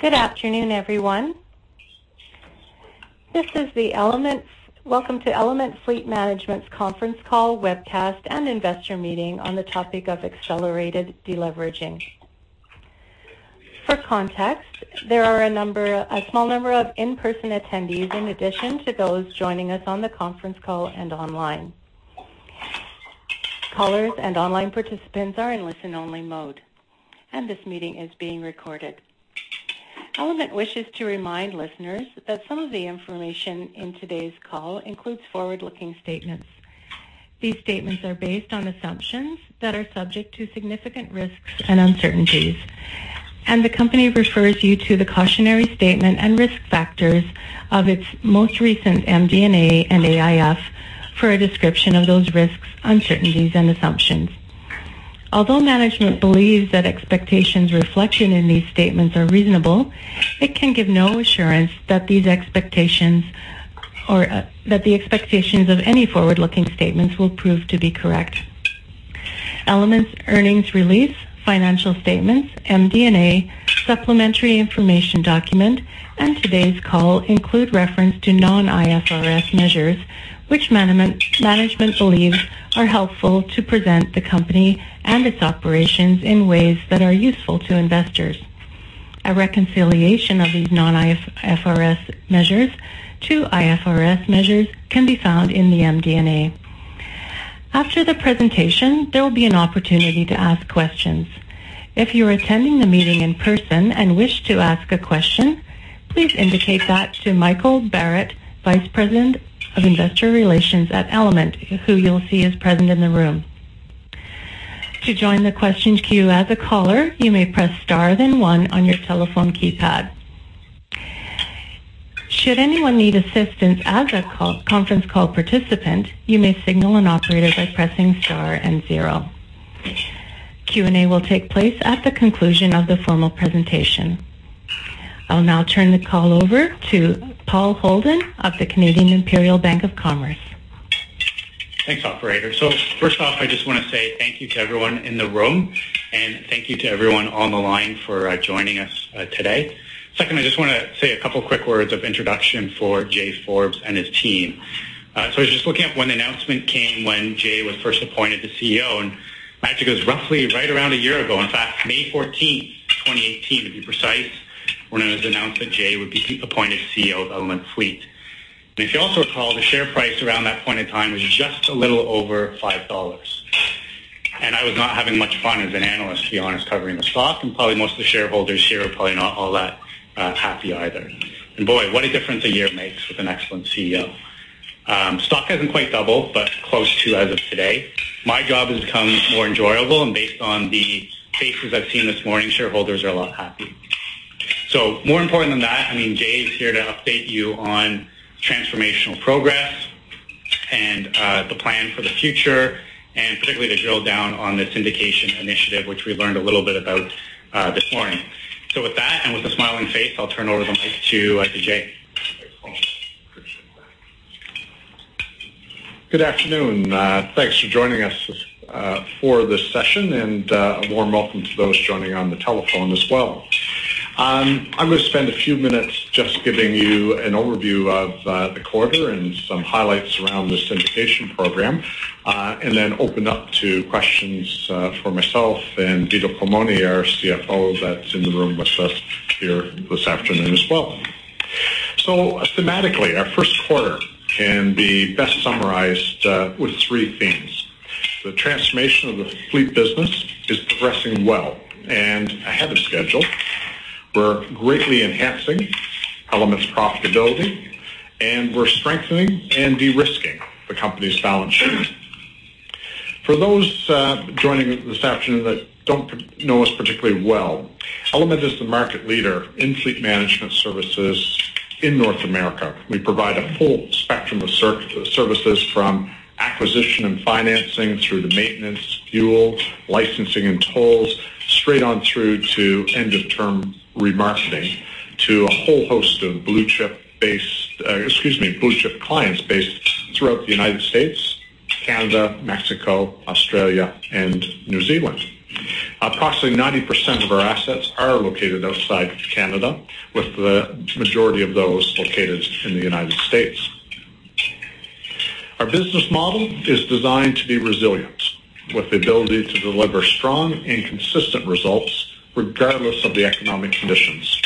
Good afternoon, everyone. Welcome to Element Fleet Management's conference call, webcast, and investor meeting on the topic of accelerated deleveraging. For context, there are a small number of in-person attendees in addition to those joining us on the conference call and online. Callers and online participants are in listen-only mode, and this meeting is being recorded. Element wishes to remind listeners that some of the information in today's call includes forward-looking statements. These statements are based on assumptions that are subject to significant risks and uncertainties, and the company refers you to the cautionary statement and risk factors of its most recent MD&A and AIF for a description of those risks, uncertainties, and assumptions. Although management believes that expectations reflection in these statements are reasonable, it can give no assurance that the expectations of any forward-looking statements will prove to be correct. Element's earnings release, financial statements, MD&A, supplementary information document, and today's call include reference to non-IFRS measures, which management believes are helpful to present the company and its operations in ways that are useful to investors. A reconciliation of these non-IFRS measures to IFRS measures can be found in the MD&A. After the presentation, there will be an opportunity to ask questions. If you are attending the meeting in person and wish to ask a question, please indicate that to Michael Barrett, Vice President of Investor Relations at Element, who you'll see is present in the room. To join the questions queue as a caller, you may press star then one on your telephone keypad. Should anyone need assistance as a conference call participant, you may signal an operator by pressing star and zero. Q&A will take place at the conclusion of the formal presentation. I will now turn the call over to Paul Holden of the Canadian Imperial Bank of Commerce. Thanks, operator. First off, I just want to say thank you to everyone in the room, and thank you to everyone on the line for joining us today. Second, I just want to say a couple quick words of introduction for Jay Forbes and his team. I was just looking up when the announcement came when Jay was first appointed the CEO, and actually, it was roughly right around a year ago. In fact, May 14th, 2018, to be precise, when it was announced that Jay would be appointed CEO of Element Fleet. If you also recall, the share price around that point in time was just a little over 5 dollars. I was not having much fun as an analyst, to be honest, covering the stock, and probably most of the shareholders here were probably not all that happy either. Boy, what a difference a year makes with an excellent CEO. Stock hasn't quite doubled, but close to as of today. My job has become more enjoyable, and based on the faces I've seen this morning, shareholders are a lot happy. More important than that, Jay is here to update you on transformational progress and the plan for the future, and particularly to drill down on the Syndication Initiative, which we learned a little bit about this morning. With that and with a smiling face, I'll turn over the mic to Jay. Good afternoon. Thanks for joining us for this session, and a warm welcome to those joining on the telephone as well. I'm going to spend a few minutes just giving you an overview of the quarter and some highlights around the Syndication Program, and then open up to questions for myself and Vito Culmone, our CFO, that's in the room with us here this afternoon as well. Thematically, our first quarter can be best summarized with three themes. The transformation of the fleet business is progressing well and ahead of schedule. We're greatly enhancing Element's profitability, and we're strengthening and de-risking the company's balance sheet. For those joining us this afternoon that don't know us particularly well, Element is the market leader in fleet management services in North America. We provide a full spectrum of services from acquisition and financing through to maintenance, fuel, licensing, and tolls, straight on through to end-of-term remarketing to a whole host of blue-chip clients based throughout the U.S., Canada, Mexico, Australia, and New Zealand. Approximately 90% of our assets are located outside Canada, with the majority of those located in the U.S. Our business model is designed to be resilient, with the ability to deliver strong and consistent results regardless of the economic conditions.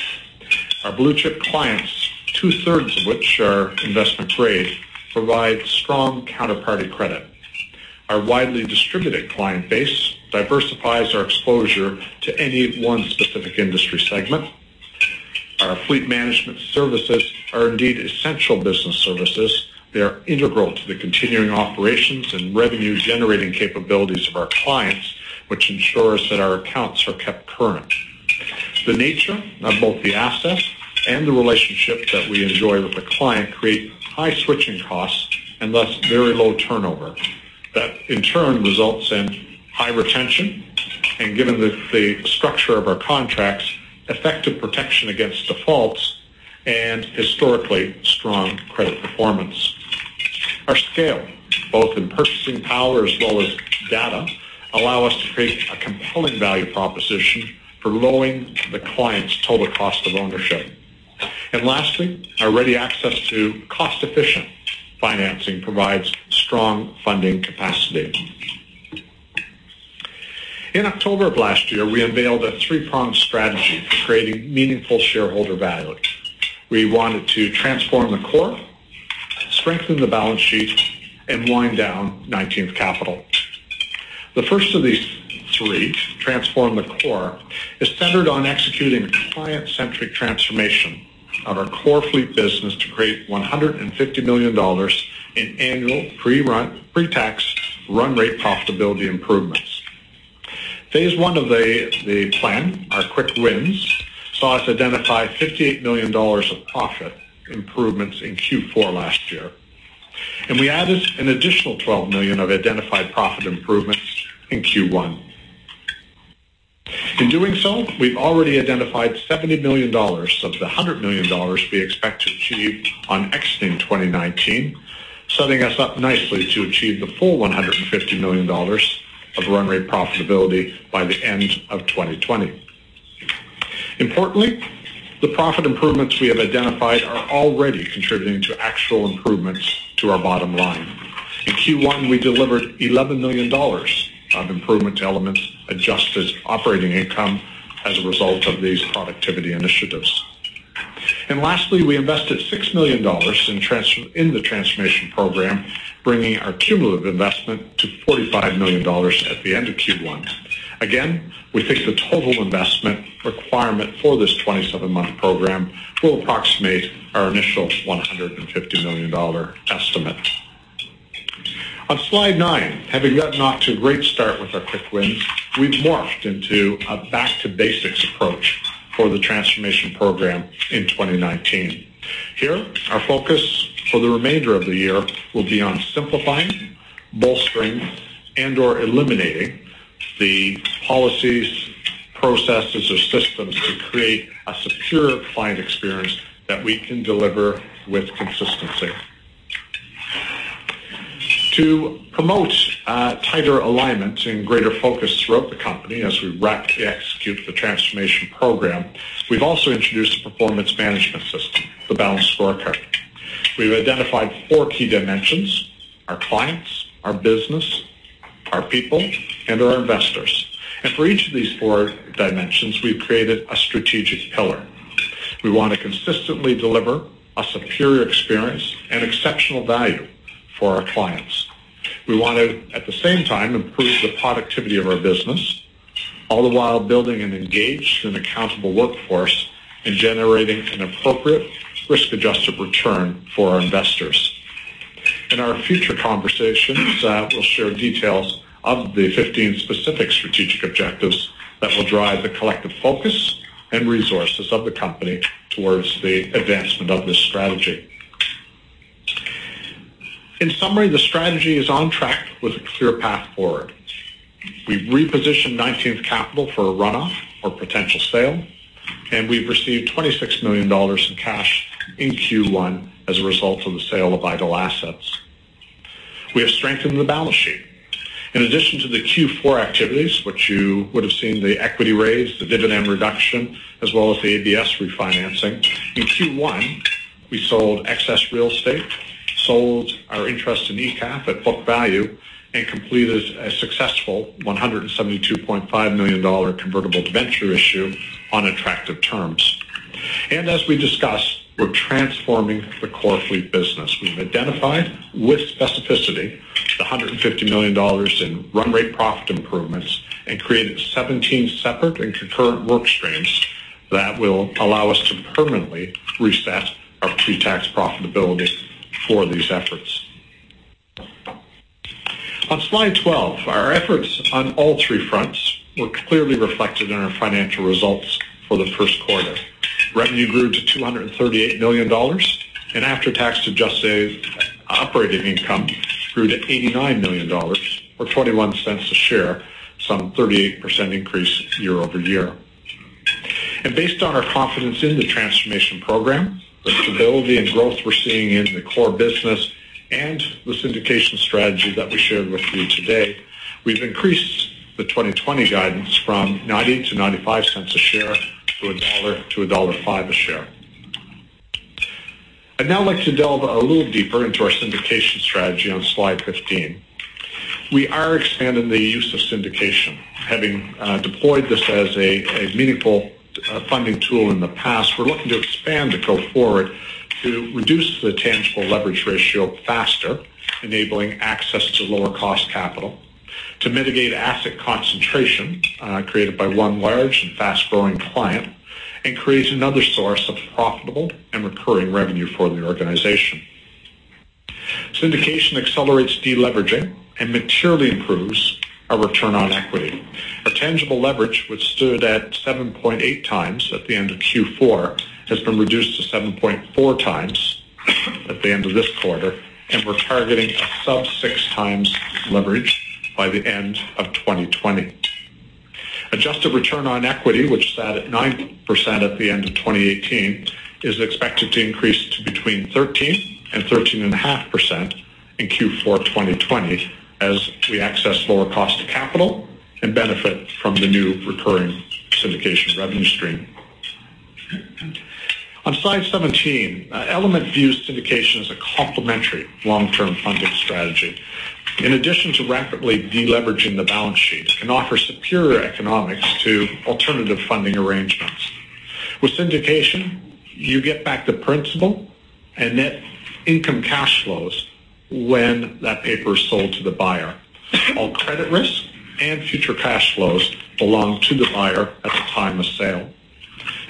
Our blue-chip clients, two-thirds of which are investment grade, provide strong counterparty credit. Our widely distributed client base diversifies our exposure to any one specific industry segment. Our fleet management services are indeed essential business services. They are integral to the continuing operations and revenue-generating capabilities of our clients, which ensures that our accounts are kept current. The nature of both the assets and the relationship that we enjoy with the client create high switching costs and, thus, very low turnover. That, in turn, results in high retention, and given the structure of our contracts, effective protection against defaults and historically strong credit performance. Our scale, both in purchasing power as well as data, allow us to create a compelling value proposition for lowering the client's total cost of ownership. Lastly, our ready access to cost-efficient financing provides strong funding capacity. In October of last year, we unveiled a three-pronged strategy for creating meaningful shareholder value. We wanted to transform the core, strengthen the balance sheet, and wind down 19th Capital. The first of these three, transform the core, is centered on executing a client-centric transformation of our core fleet business to create 150 million dollars in annual pre-tax run rate profitability improvements. Phase 1 of the plan, our quick wins, saw us identify 58 million dollars of profit improvements in Q4 last year, and we added an additional 12 million of identified profit improvements in Q1. In doing so, we have already identified 70 million dollars of the 100 million dollars we expect to achieve on exiting 2019, setting us up nicely to achieve the full 150 million dollars of run rate profitability by the end of 2020. Importantly, the profit improvements we have identified are already contributing to actual improvements to our bottom line. In Q1, we delivered 11 million dollars of improvement to adjusted operating income as a result of these productivity initiatives. Lastly, we invested 6 million dollars in the transformation program, bringing our cumulative investment to 45 million dollars at the end of Q1. Again, we think the total investment requirement for this 27-month program will approximate our initial 150 million dollar estimate. On slide nine, having gotten off to a great start with our quick wins, we have morphed into a back-to-basics approach for the transformation program in 2019. Here, our focus for the remainder of the year will be on simplifying, bolstering, or eliminating the policies, processes, or systems that create a superior client experience that we can deliver with consistency. To promote tighter alignment and greater focus throughout the company as we execute the transformation program, we have also introduced a performance management system, the Balanced Scorecard. We have identified four key dimensions: our clients, our business, our people, and our investors. For each of these four dimensions, we have created a strategic pillar. We want to consistently deliver a superior experience and exceptional value for our clients. We want to, at the same time, improve the productivity of our business, all the while building an engaged and accountable workforce and generating an appropriate risk-adjusted return for our investors. In our future conversations, we will share details of the 15 specific strategic objectives that will drive the collective focus and resources of the company towards the advancement of this strategy. In summary, the strategy is on track with a clear path forward. We have repositioned 19th Capital for a runoff or potential sale, and we have received 26 million dollars in cash in Q1 as a result of the sale of idle assets. We have strengthened the balance sheet. In addition to the Q4 activities, which you would have seen the equity raise, the dividend reduction, as well as the ABS refinancing. In Q1, we sold excess real estate, sold our interest in ECAF at book value, and completed a successful 172.5 million dollar convertible debenture issue on attractive terms. As we discussed, we are transforming the core fleet business. We have identified with specificity the 150 million dollars in run rate profit improvements and created 17 separate and concurrent work streams that will allow us to permanently reset our pre-tax profitability for these efforts. On slide 12, our efforts on all three fronts were clearly reflected in our financial results for the first quarter. Revenue grew to 238 million dollars, and after-tax adjusted operating income grew to 89 million dollars, or 0.21 a share, some 38% increase year-over-year. Based on our confidence in the transformation program, the stability and growth we're seeing in the core business, and the syndication strategy that we shared with you today, we've increased the 2020 guidance from 0.90-0.95 a share to 1.00-1.05 dollar a share. I'd now like to delve a little deeper into our syndication strategy on slide 15. We are expanding the use of syndication. Having deployed this as a meaningful funding tool in the past, we're looking to expand it go forward to reduce the tangible leverage ratio faster, enabling access to lower cost capital, to mitigate asset concentration created by one large and fast-growing client, and create another source of profitable and recurring revenue for the organization. Syndication accelerates deleveraging and materially improves our return on equity. Our tangible leverage, which stood at 7.8 times at the end of Q4, has been reduced to 7.4 times at the end of this quarter, and we're targeting a sub 6 times leverage by the end of 2020. Adjusted return on equity, which sat at 9% at the end of 2018, is expected to increase to between 13% and 13.5% in Q4 2020 as we access lower cost of capital and benefit from the new recurring syndication revenue stream. On slide 17, Element views syndication as a complementary long-term funding strategy. In addition to rapidly deleveraging the balance sheet, it can offer superior economics to alternative funding arrangements. With syndication, you get back the principal and net income cash flows when that paper is sold to the buyer. All credit risk and future cash flows belong to the buyer at the time of sale.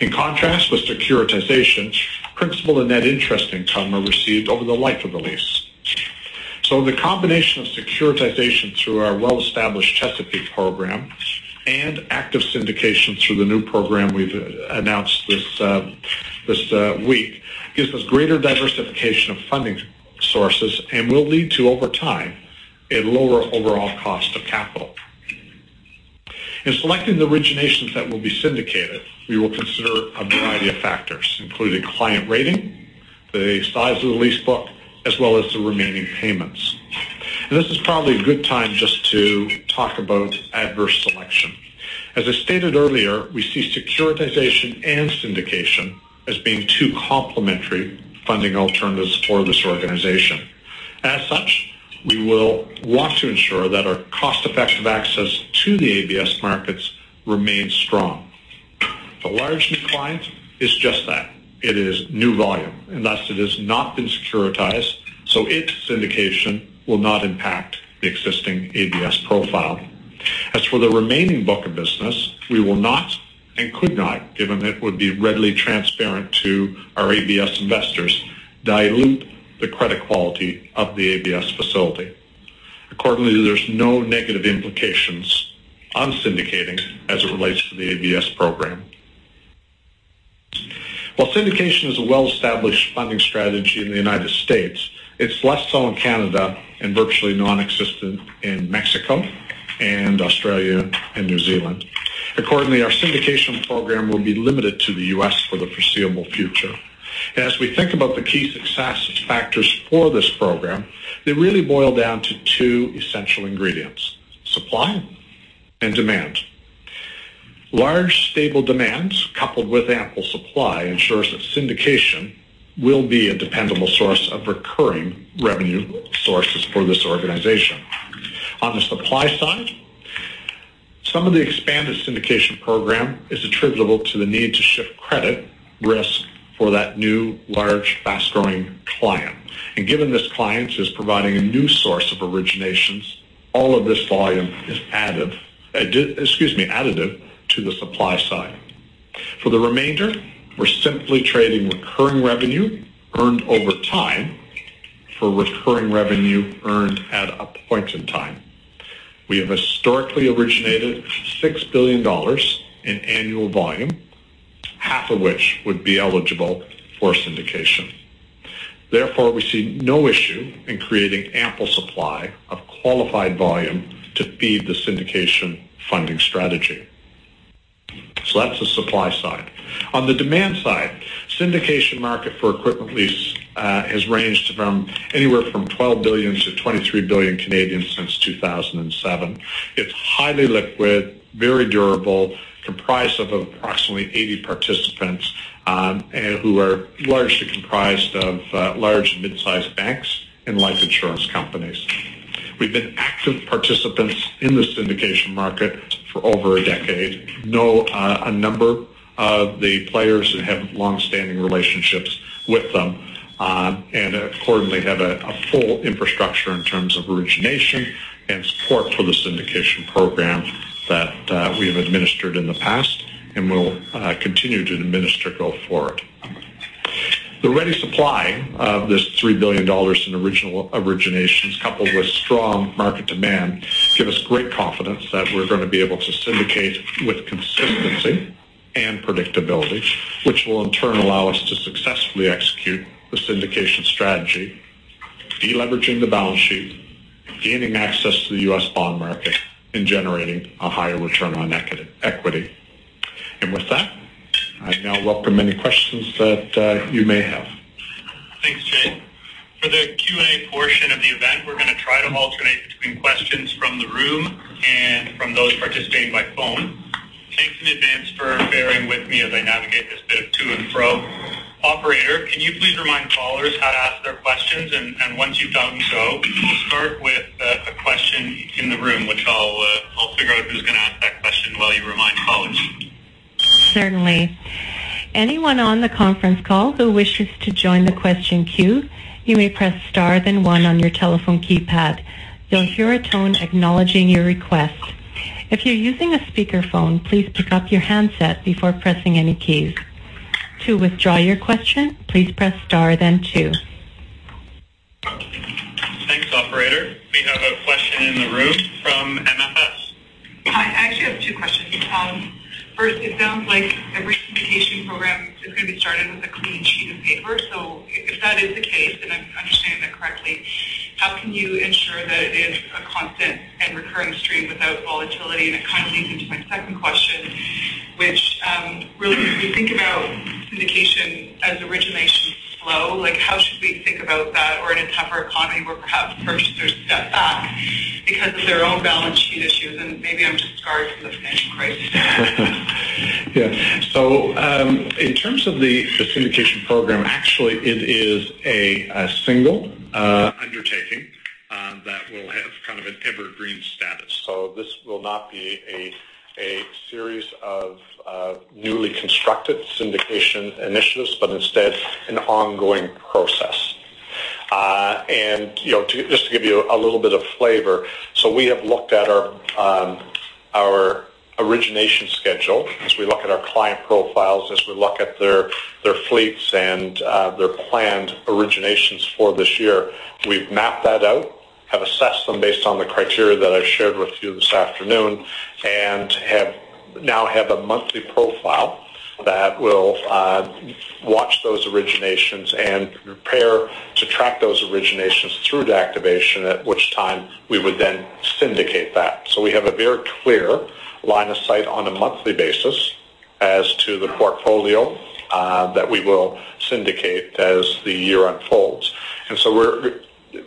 In contrast with securitization, principal and net interest income are received over the life of the lease. The combination of securitization through our well-established Chesapeake program and active syndication through the new program we've announced this week gives us greater diversification of funding sources and will lead to, over time, a lower overall cost of capital. In selecting the originations that will be syndicated, we will consider a variety of factors, including client rating, the size of the lease book, as well as the remaining payments. This is probably a good time just to talk about adverse selection. As I stated earlier, we see securitization and syndication as being two complementary funding alternatives for this organization. As such, we will want to ensure that our cost-effective access to the ABS markets remains strong. A large new client is just that. It is new volume, thus it has not been securitized, its syndication will not impact the existing ABS profile. As for the remaining book of business, we will not and could not, given it would be readily transparent to our ABS investors, dilute the credit quality of the ABS facility. Accordingly, there's no negative implications on syndicating as it relates to the ABS program. While syndication is a well-established funding strategy in the U.S., it's less so in Canada and virtually non-existent in Mexico and Australia and New Zealand. Accordingly, our syndication program will be limited to the U.S. for the foreseeable future. As we think about the key success factors for this program, they really boil down to two essential ingredients, supply and demand. Large, stable demands, coupled with ample supply, ensures that syndication will be a dependable source of recurring revenue sources for this organization. On the supply side, some of the expanded syndication program is attributable to the need to shift credit risk for that new, large, fast-growing client. Given this client is providing a new source of originations, all of this volume is additive to the supply side. For the remainder, we're simply trading recurring revenue earned over time for recurring revenue earned at a point in time. We have historically originated 6 billion dollars in annual volume, half of which would be eligible for syndication. Therefore, we see no issue in creating ample supply of qualified volume to feed the syndication funding strategy. That's the supply side. On the demand side, syndication market for equipment lease, has ranged anywhere from 12 billion-23 billion since 2007. It's highly liquid, very durable, comprised of approximately 80 participants, who are largely comprised of large and mid-sized banks and life insurance companies. We've been active participants in the syndication market for over a decade, know a number of the players and have long-standing relationships with them, accordingly, have a full infrastructure in terms of origination and support for the syndication program that we have administered in the past and will continue to administer going forward. The ready supply of this 3 billion dollars in originations, coupled with strong market demand, give us great confidence that we're going to be able to syndicate with consistency and predictability, which will in turn allow us to successfully execute the syndication strategy, de-leveraging the balance sheet, gaining access to the U.S. bond market, and generating a higher return on equity. With that, I now welcome any questions that you may have. Thanks, Jay. For the Q&A portion of the event, we're going to try to alternate between questions from the room and from those participating by phone. Thanks in advance for bearing with me as I navigate this bit of to and fro. Operator, can you please remind callers how to ask their questions? Once you've done so, we'll start with a question in the room, which I'll figure out who's going to ask that question while you remind callers. Certainly. Anyone on the conference call who wishes to join the question queue, you may press star then one on your telephone keypad. You'll hear a tone acknowledging your request. If you're using a speakerphone, please pick up your handset before pressing any keys. To withdraw your question, please press star then two. Thanks, operator. We have a question in the room from MFS. Hi. I actually have two questions. First, it sounds like every syndication program is going to be started with a clean sheet of paper. If that is the case, and I'm understanding that correctly, how can you ensure that it is a constant and recurring stream without volatility? It kind of leads into my second question, which really, when we think about syndication as originations flow, how should we think about that? In a tougher economy where perhaps purchasers step back because of their own balance sheet issues, and maybe I'm just scarred from the financial crisis. Yeah. In terms of the syndication program, actually, it is a single undertaking that will have kind of an evergreen status. This will not be a series of newly constructed syndication initiatives, but instead an ongoing process. Just to give you a little bit of flavor, we have looked at our origination schedule as we look at our client profiles, as we look at their fleets and their planned originations for this year. We've mapped that out, have assessed them based on the criteria that I shared with you this afternoon and now have a monthly profile that will watch those originations and prepare to track those originations through to activation, at which time we would then syndicate that. We have a very clear line of sight on a monthly basis as to the portfolio that we will syndicate as the year unfolds. We're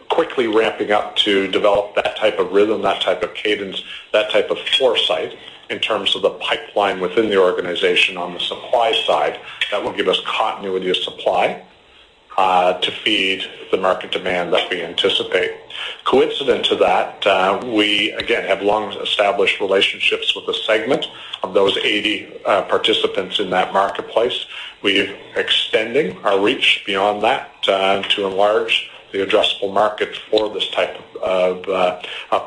quickly ramping up to develop that type of rhythm, that type of cadence, that type of foresight in terms of the pipeline within the organization on the supply side that will give us continuity of supply to feed the market demand that we anticipate. Coincident to that, we again have long-established relationships with a segment of those 80 participants in that marketplace. We're extending our reach beyond that to enlarge the addressable market for this type of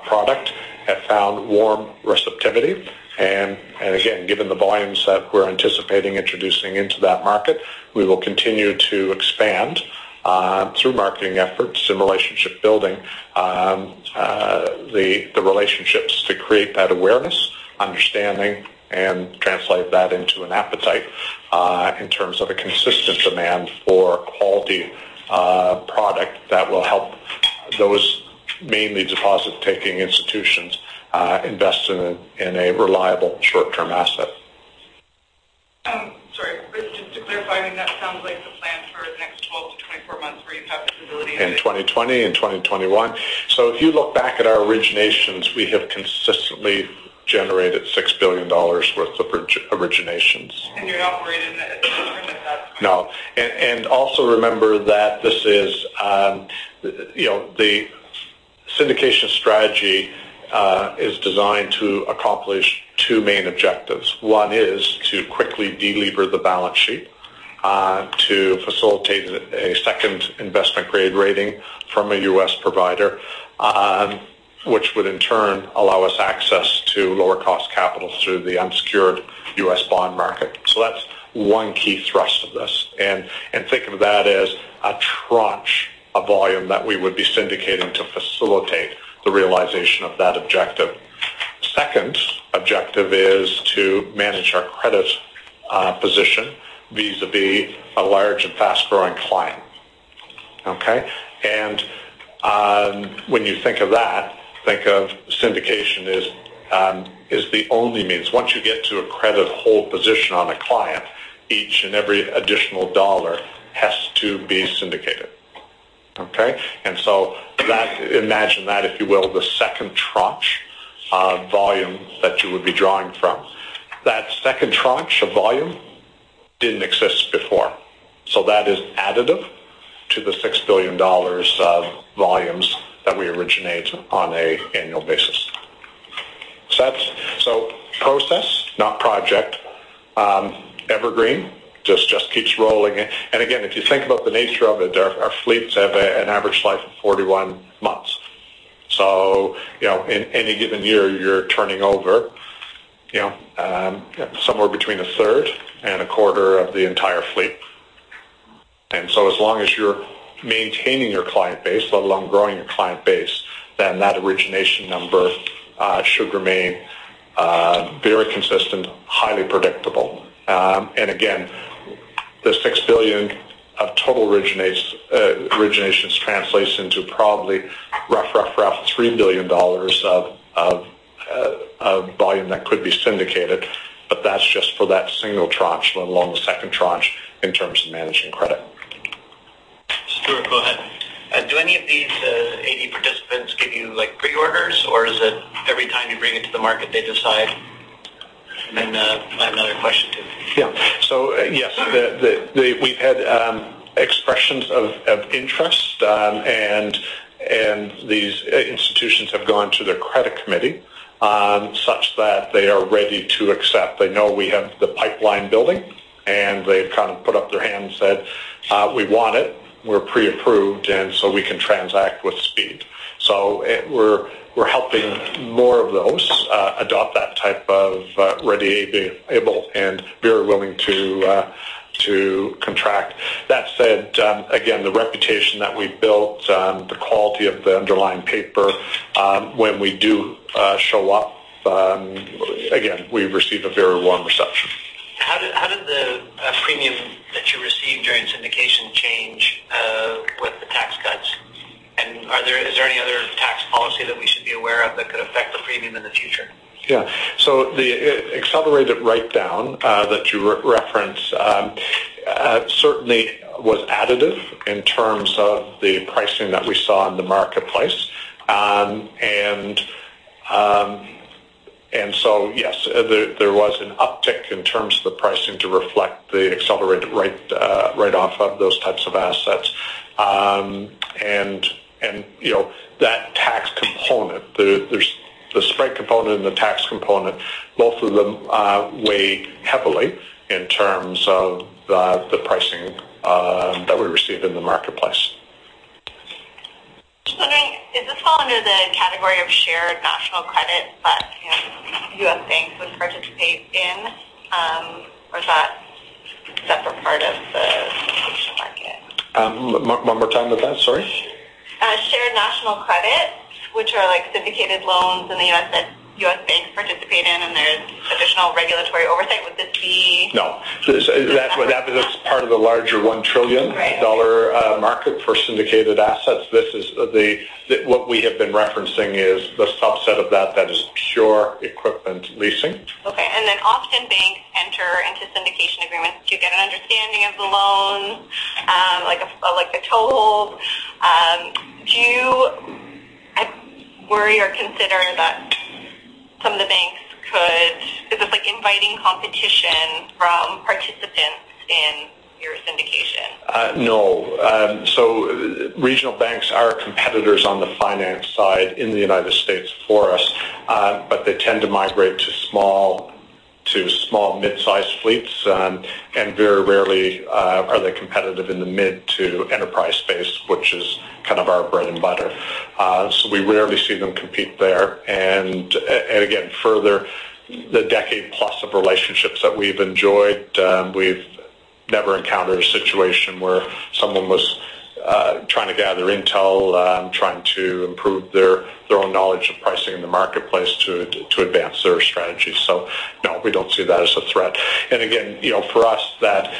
product, have found warm receptivity. Again, given the volumes that we're anticipating introducing into that market, we will continue to expand through marketing efforts and relationship building the relationships to create that awareness, understanding, and translate that into an appetite in terms of a consistent demand for quality product that will help those mainly deposit-taking institutions invest in a reliable short-term asset. Sorry. Just to clarify, that sounds like the plan for the next 12 to 24 months where you have visibility into- In 2020 and 2021. If you look back at our originations, we have consistently generated 6 billion dollars worth of originations. You're operating at the moment with that- No. Also remember that the syndication strategy is designed to accomplish two main objectives. One is to quickly de-lever the balance sheet to facilitate a second investment-grade rating from a U.S. provider. Which would in turn allow us access to lower-cost capital through the unsecured U.S. bond market. That's one key thrust of this. Think of that as a tranche, a volume that we would be syndicating to facilitate the realization of that objective. Second objective is to manage our credit position vis-a-vis a large and fast-growing client. Okay? When you think of that, think of syndication as the only means. Once you get to a credit whole position on a client, each and every additional dollar has to be syndicated. Okay? Imagine that, if you will, the second tranche volume that you would be drawing from. That second tranche of volume didn't exist before. That is additive to the 6 billion dollars of volumes that we originate on an annual basis. Process, not project. Evergreen, just keeps rolling. Again, if you think about the nature of it, our fleets have an average life of 41 months. In any given year, you're turning over somewhere between a third and a quarter of the entire fleet. As long as you're maintaining your client base, let alone growing your client base, then that origination number should remain very consistent, highly predictable. Again, the 6 billion of total originations translates into probably, rough 3 billion dollars of volume that could be syndicated. That's just for that single tranche, let alone the second tranche in terms of managing credit. Stuart, go ahead. Do any of these 80 participants give you pre-orders, or is it every time you bring it to the market, they decide? I have another question, too. Yeah. Yes, we've had expressions of interest. These institutions have gone to their credit committee, such that they are ready to accept. They know we have the pipeline building, and they've kind of put up their hand and said, "We want it. We're pre-approved, we can transact with speed." We're helping more of those adopt that type of ready, able, and very willing to contract. That said, again, the reputation that we've built, the quality of the underlying paper, when we do show up, again, we receive a very warm reception. How did the premium that you received during syndication change with the tax cuts? Is there any other tax policy that we should be aware of that could affect the premium in the future? The accelerated write-down that you referenced certainly was additive in terms of the pricing that we saw in the marketplace. Yes, there was an uptick in terms of the pricing to reflect the accelerated write-off of those types of assets. That tax component, the spread component and the tax component, both of them weigh heavily in terms of the pricing that we receive in the marketplace. Just wondering, does this fall under the category of Shared National Credit that U.S. banks would participate in? Or is that a separate part of the loan market? One more time with that. Sorry. Shared National Credits, which are like syndicated loans in the U.S. that U.S. banks participate in, and there's additional regulatory oversight. No. That's part of the larger 1 trillion dollar- Right market for syndicated assets. What we have been referencing is the subset of that is pure equipment leasing. Okay. Often banks enter into syndication agreements to get an understanding of the loans, like a toll hold. Do you worry or consider that some of the banks Is this like inviting competition from participants in your syndication? No. Regional banks are competitors on the finance side in the U.S. for us. They tend to migrate to small, mid-size fleets, and very rarely are they competitive in the mid to enterprise space, which is kind of our bread and butter. We rarely see them compete there. Again, further, the decade plus of relationships that we've enjoyed, we've never encountered a situation where someone was trying to gather intel, trying to improve their own knowledge of pricing in the marketplace to advance their strategy. No, we don't see that as a threat. Again, for us, that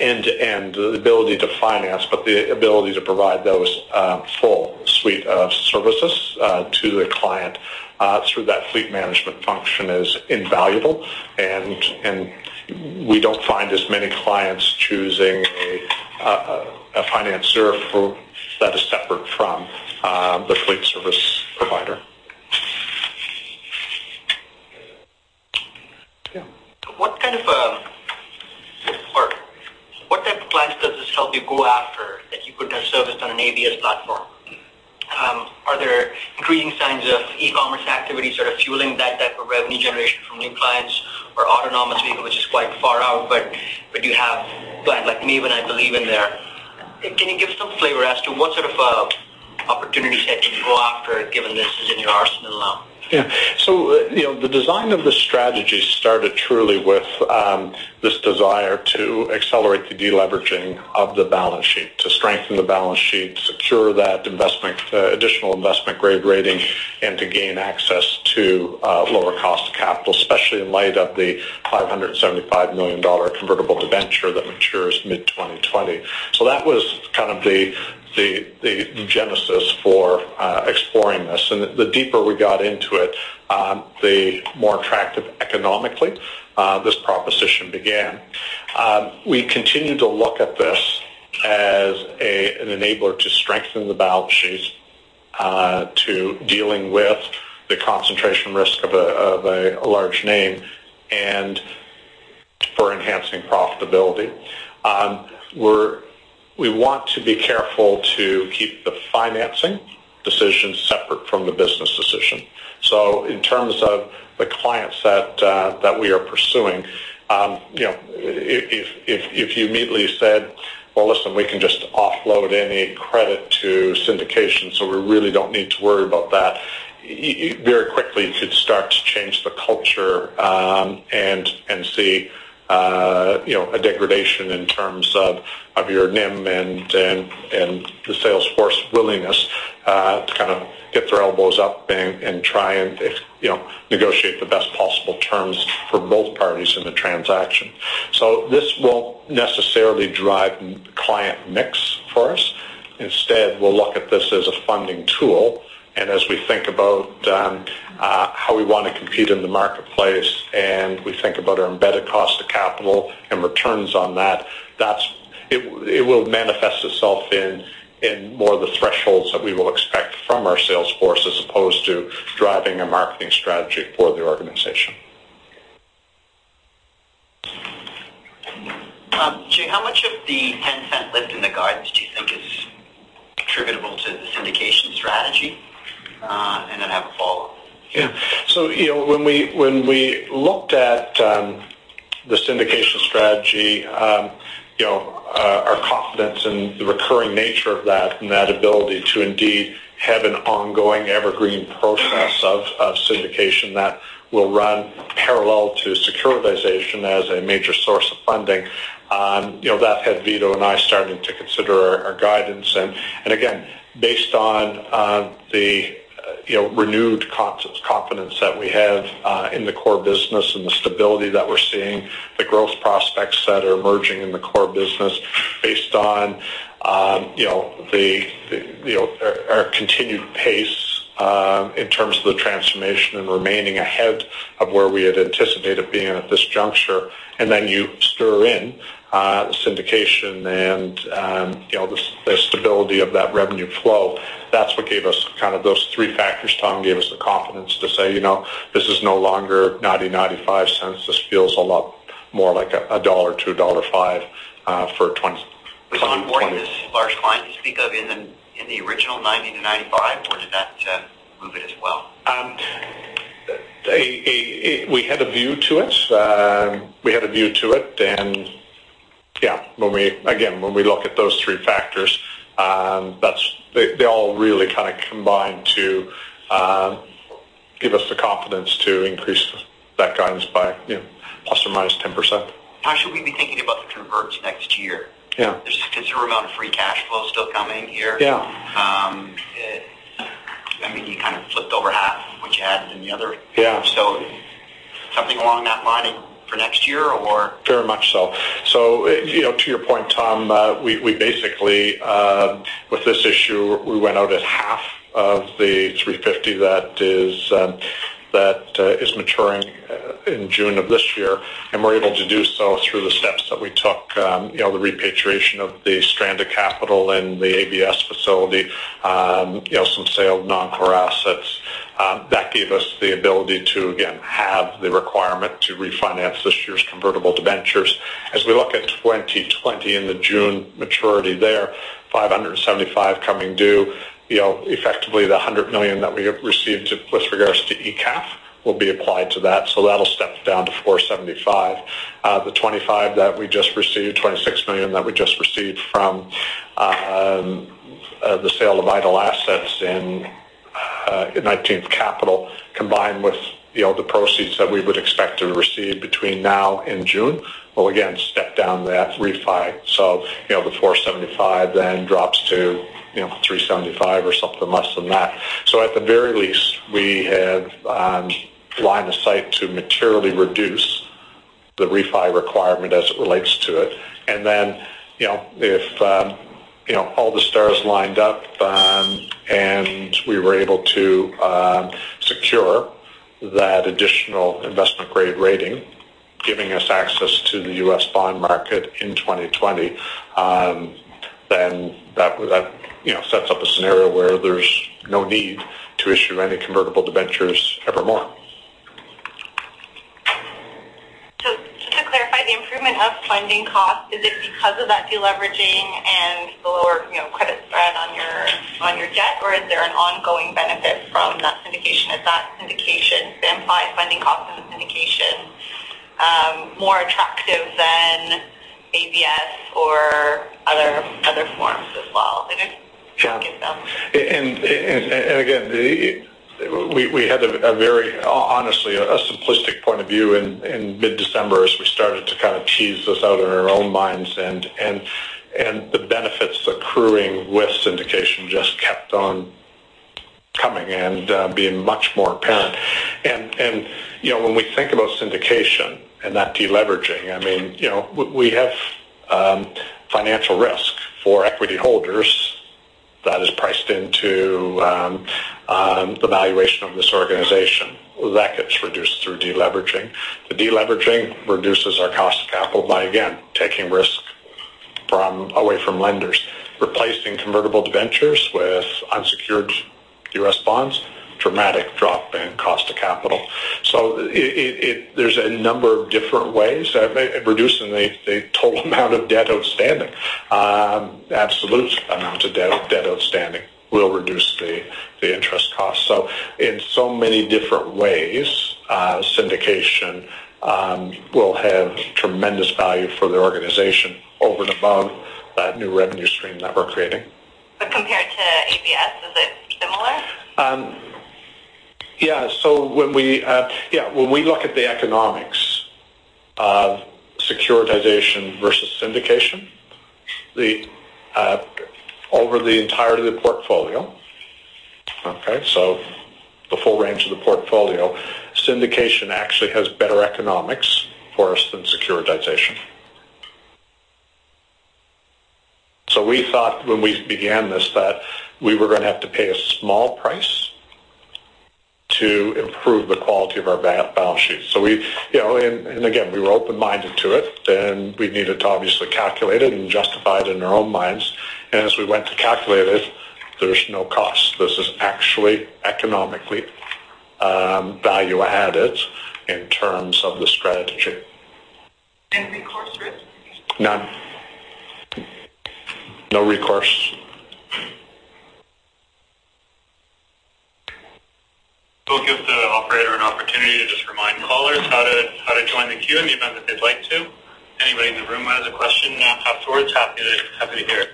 end-to-end, the ability to finance, but the ability to provide those full suite of services to a client through that fleet management function is invaluable. We don't find as many clients choosing a financer that is separate from the fleet service provider. Yeah. What type of clients does this help you go after that you couldn't have serviced on an ABS platform? Are there increasing signs of e-commerce activity sort of fueling that type of revenue generation from new clients or autonomous vehicle, which is quite far out, but you have clients like [Meebon], I believe, in there. Can you give some flavor as to what sort of opportunities set to go after given this is in your arsenal now? The design of the strategy started truly with this desire to accelerate the deleveraging of the balance sheet, to strengthen the balance sheet, secure that additional investment-grade rating, and to gain access to lower cost of capital, especially in light of the 575 million dollar convertible debenture that matures mid-2020. That was kind of the genesis for exploring this. And the deeper we got into it, the more attractive economically this proposition began. We continue to look at this as an enabler to strengthen the balance sheets, to dealing with the concentration risk of a large name, and for enhancing profitability. We want to be careful to keep the financing decision separate from the business decision. In terms of the clients that we are pursuing, if you immediately said, "Well, listen, we can just offload any credit to syndication, we really don't need to worry about that." Very quickly, you could start to change the culture, and see a degradation in terms of your NIM and the sales force willingness to kind of get their elbows up and try and negotiate the best possible terms for both parties in the transaction. This won't necessarily drive client mix for us. Instead, we'll look at this as a funding tool, and as we think about how we want to compete in the marketplace, and we think about our embedded cost of capital and returns on that, it will manifest itself in more of the thresholds that we will expect from our sales force as opposed to driving a marketing strategy for the organization. Jay, how much of the 0.10 lift in the guidance do you think is attributable to the syndication strategy? Then I have a follow-up. When we looked at the syndication strategy. Our confidence in the recurring nature of that, and that ability to indeed have an ongoing evergreen process of syndication that will run parallel to securitization as a major source of funding. That had Vito and I starting to consider our guidance and, again, based on the renewed confidence that we have in the core business and the stability that we're seeing, the growth prospects that are emerging in the core business based on our continued pace in terms of the transformation and remaining ahead of where we had anticipated being at this juncture. You stir in the syndication and the stability of that revenue flow. That's what gave us kind of those three factors, Tom, gave us the confidence to say, "This is no longer 0.90, 0.95. This feels a lot more like 1-1.5 dollar for 2020. Was Longpoint this large client you speak of in the original 0.90 to 0.95, or did that move it as well? We had a view to it. We had a view to it. Yeah, again, when we look at those three factors, they all really kind of combine to give us the confidence to increase that guidance by ±10%. How should we be thinking about the converts next year? Yeah. There's a considerable amount of free cash flow still coming here. Yeah. I mean, you kind of flipped over half what you had in the other. Yeah. Something along that line for next year or? Very much so. To your point, Tom, we basically with this issue, we went out at half of the 350 that is maturing in June of this year, and we are able to do so through the steps that we took. The repatriation of the Strada Capital and the ABS facility. Some sale of non-core assets. That gave us the ability to, again, halve the requirement to refinance this year's convertible debentures. As we look at 2020 and the June maturity there, 575 coming due. Effectively the 100 million that we have received with regards to ECAF will be applied to that. That will step down to 475. The 25 that we just received, 26 million that we just received from the sale of idle assets in 19th Capital, combined with the proceeds that we would expect to receive between now and June, will again step down that refi. The 475 then drops to 375 or something less than that. At the very least, we have line of sight to materially reduce the refi requirement as it relates to it. If all the stars lined up and we were able to secure that additional investment-grade rating, giving us access to the U.S. bond market in 2020. That sets up a scenario where there is no need to issue any convertible debentures evermore. Just to clarify the improvement of funding cost, is it because of that de-leveraging and the lower credit spread on your debt, or is there an ongoing benefit from that syndication? Is that syndication implying funding cost in the syndication more attractive than ABS or other forms as well? I guess. Again, we had a very honestly, a simplistic point of view in mid-December as we started to kind of tease this out in our own minds and the benefits accruing with syndication just kept on coming and being much more apparent. When we think about syndication and that de-leveraging, we have financial risk for equity holders that is priced into the valuation of this organization. That gets reduced through de-leveraging. The de-leveraging reduces our cost of capital by, again, taking risk away from lenders, replacing convertible debentures with unsecured U.S. bonds, dramatic drop in cost of capital. There is a number of different ways of reducing the total amount of debt outstanding. Absolute amounts of debt outstanding will reduce the interest cost. In so many different ways syndication will have tremendous value for the organization over and above that new revenue stream that we are creating. Compared to ABS, is it similar? When we look at the economics of securitization versus syndication over the entirety of the portfolio, the full range of the portfolio, syndication actually has better economics for us than securitization. We thought when we began this that we were going to have to pay a small price to improve the quality of our balance sheet. Again, we were open-minded to it, and we needed to obviously calculate it and justify it in our own minds. As we went to calculate it, there's no cost. This is actually economically value added in terms of the strategy. Recourse risk? None. No recourse. We'll give the operator an opportunity to just remind callers how to join the queue in the event that they'd like to. Anybody in the room has a question afterwards, happy to hear it.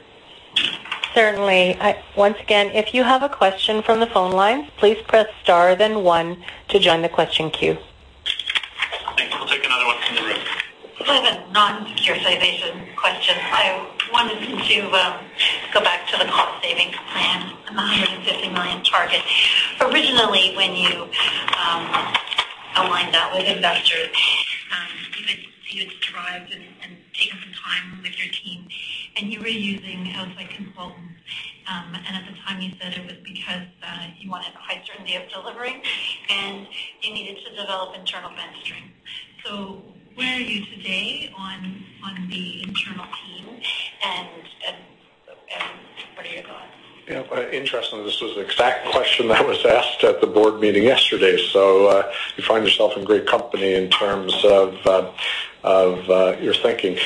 Certainly. Once again, if you have a question from the phone lines, please press star then one to join the question queue. Thanks. We'll take another one from the room. I have a non-pure citation question. I wanted to go back to the cost savings plan and the 150 million target. Originally, when you aligned that with investors, you had strived and taken some time with your team, and you were using outside consultants. At the time, you said it was because you wanted a high certainty of delivery, and you needed to develop internal bench strength. Where are you today on the internal team? What are your thoughts? Yeah. Interestingly, this was the exact question that was asked at the board meeting yesterday. You find yourself in great company in terms of your thinking.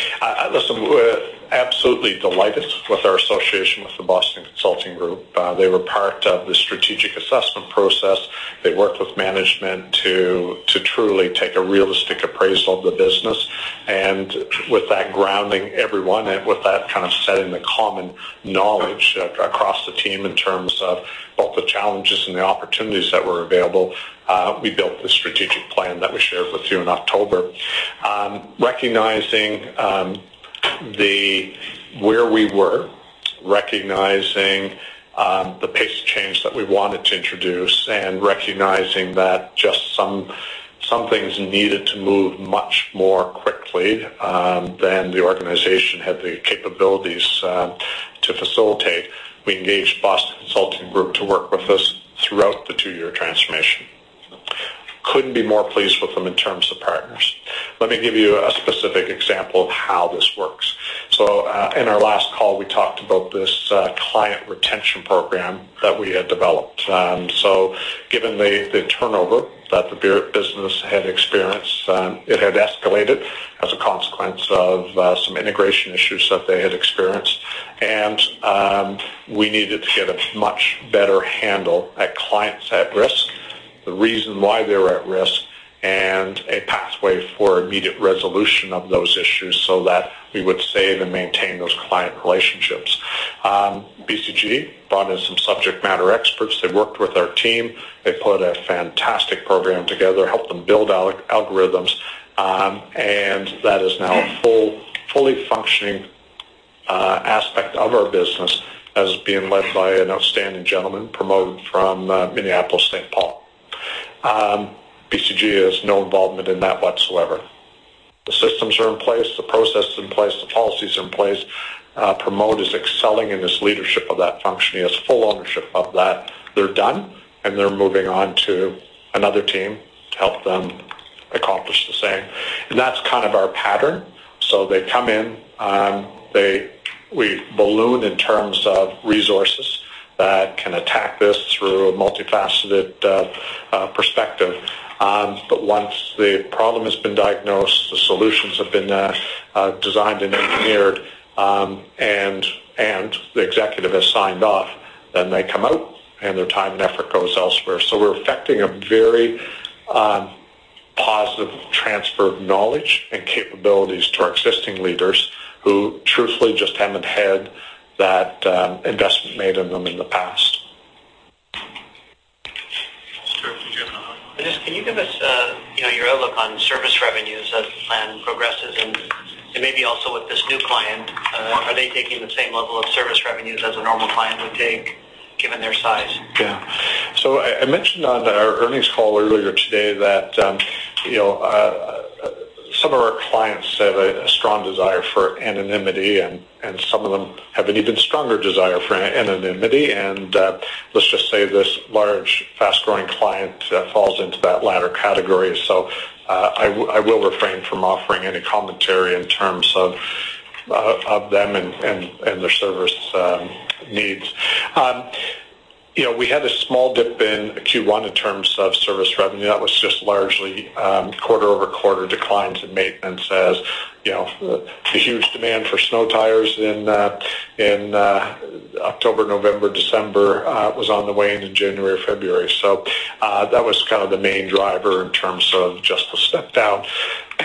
Listen, we're absolutely delighted with our association with the Boston Consulting Group. They were part of the strategic assessment process. They worked with management to truly take a realistic appraisal of the business. With that, grounding everyone and with that kind of setting the common knowledge across the team in terms of both the challenges and the opportunities that were available, we built the strategic plan that we shared with you in October. Recognizing where we were, recognizing the pace of change that we wanted to introduce, and recognizing that just some things needed to move much more quickly than the organization had the capabilities to facilitate. We engaged Boston Consulting Group to work with us throughout the two-year transformation. Couldn't be more pleased with them in terms of partners. Let me give you a specific example of how this works. In our last call, we talked about this client retention program that we had developed. Given the turnover that the business had experienced, it had escalated as a consequence of some integration issues that they had experienced. We needed to get a much better handle at clients at risk, the reason why they were at risk, and a pathway for immediate resolution of those issues so that we would save and maintain those client relationships. BCG brought in some subject matter experts. They worked with our team. They put a fantastic program together, helped them build algorithms, and that is now a fully functioning aspect of our business as being led by an outstanding gentleman promoted from Minneapolis, St. Paul. BCG has no involvement in that whatsoever. The systems are in place. The process is in place. The policy's in place. Promote is excelling in this leadership of that function. He has full ownership of that. They're done, and they're moving on to another team to help them accomplish the same. That's kind of our pattern. They come in. We balloon in terms of resources that can attack this through a multifaceted perspective. Once the problem has been diagnosed, the solutions have been designed and engineered, and the executive has signed off, then they come out, and their time and effort goes elsewhere. We're effecting a very positive transfer of knowledge and capabilities to our existing leaders who truthfully just haven't had that investment made in them in the past. Sure. Did you have another one? Can you give us your outlook on service revenues as the plan progresses, maybe also with this new client, are they taking the same level of service revenues as a normal client would take given their size? Yeah. I mentioned on our earnings call earlier today that some of our clients have a strong desire for anonymity, some of them have an even stronger desire for anonymity. Let's just say this large, fast-growing client falls into that latter category. I will refrain from offering any commentary in terms of them and their service needs. We had a small dip in Q1 in terms of service revenue. That was largely quarter-over-quarter declines in maintenance as the huge demand for snow tires in October, November, December was on the way into January or February. That was kind of the main driver in terms of the step down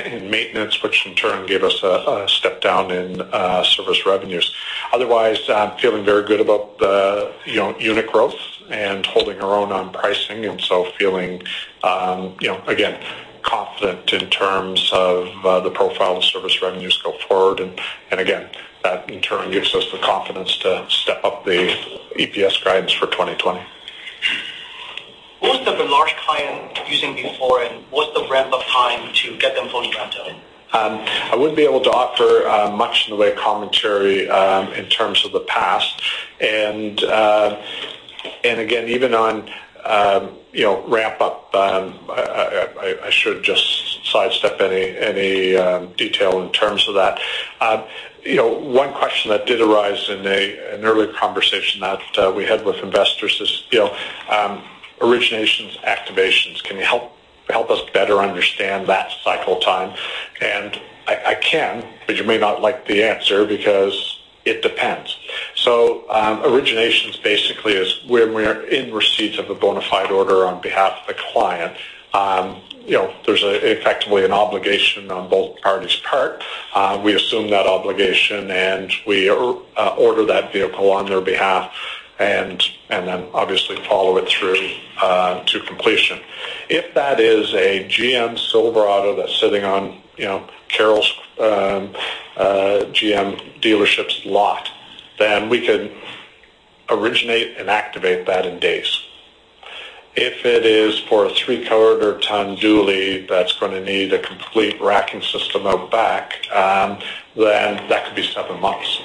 in maintenance, which in turn gave us a step down in service revenues. Otherwise, I'm feeling very good about the unit growth and holding our own on pricing, feeling, again, confident in terms of the profile of service revenues go forward. Again, that in turn gives us the confidence to step up the EPS guidance for 2020. Who was the large client using before, what's the ramp up time to get them fully ramped up? I wouldn't be able to offer much in the way of commentary in terms of the past. Again, even on ramp up, I should just sidestep any detail in terms of that. One question that did arise in an early conversation that we had with investors is originations, activations. Can you help us better understand that cycle time? I can, but you may not like the answer because it depends. Originations basically is when we are in receipt of a bona fide order on behalf of the client. There's effectively an obligation on both parties part. We assume that obligation, and we order that vehicle on their behalf, and then obviously follow it through to completion. If that is a GM Silverado that's sitting on Carroll's GM dealership's lot, then we could originate and activate that in days. If it is for a three-quarter ton dually, that's going to need a complete racking system out back, then that could be seven months.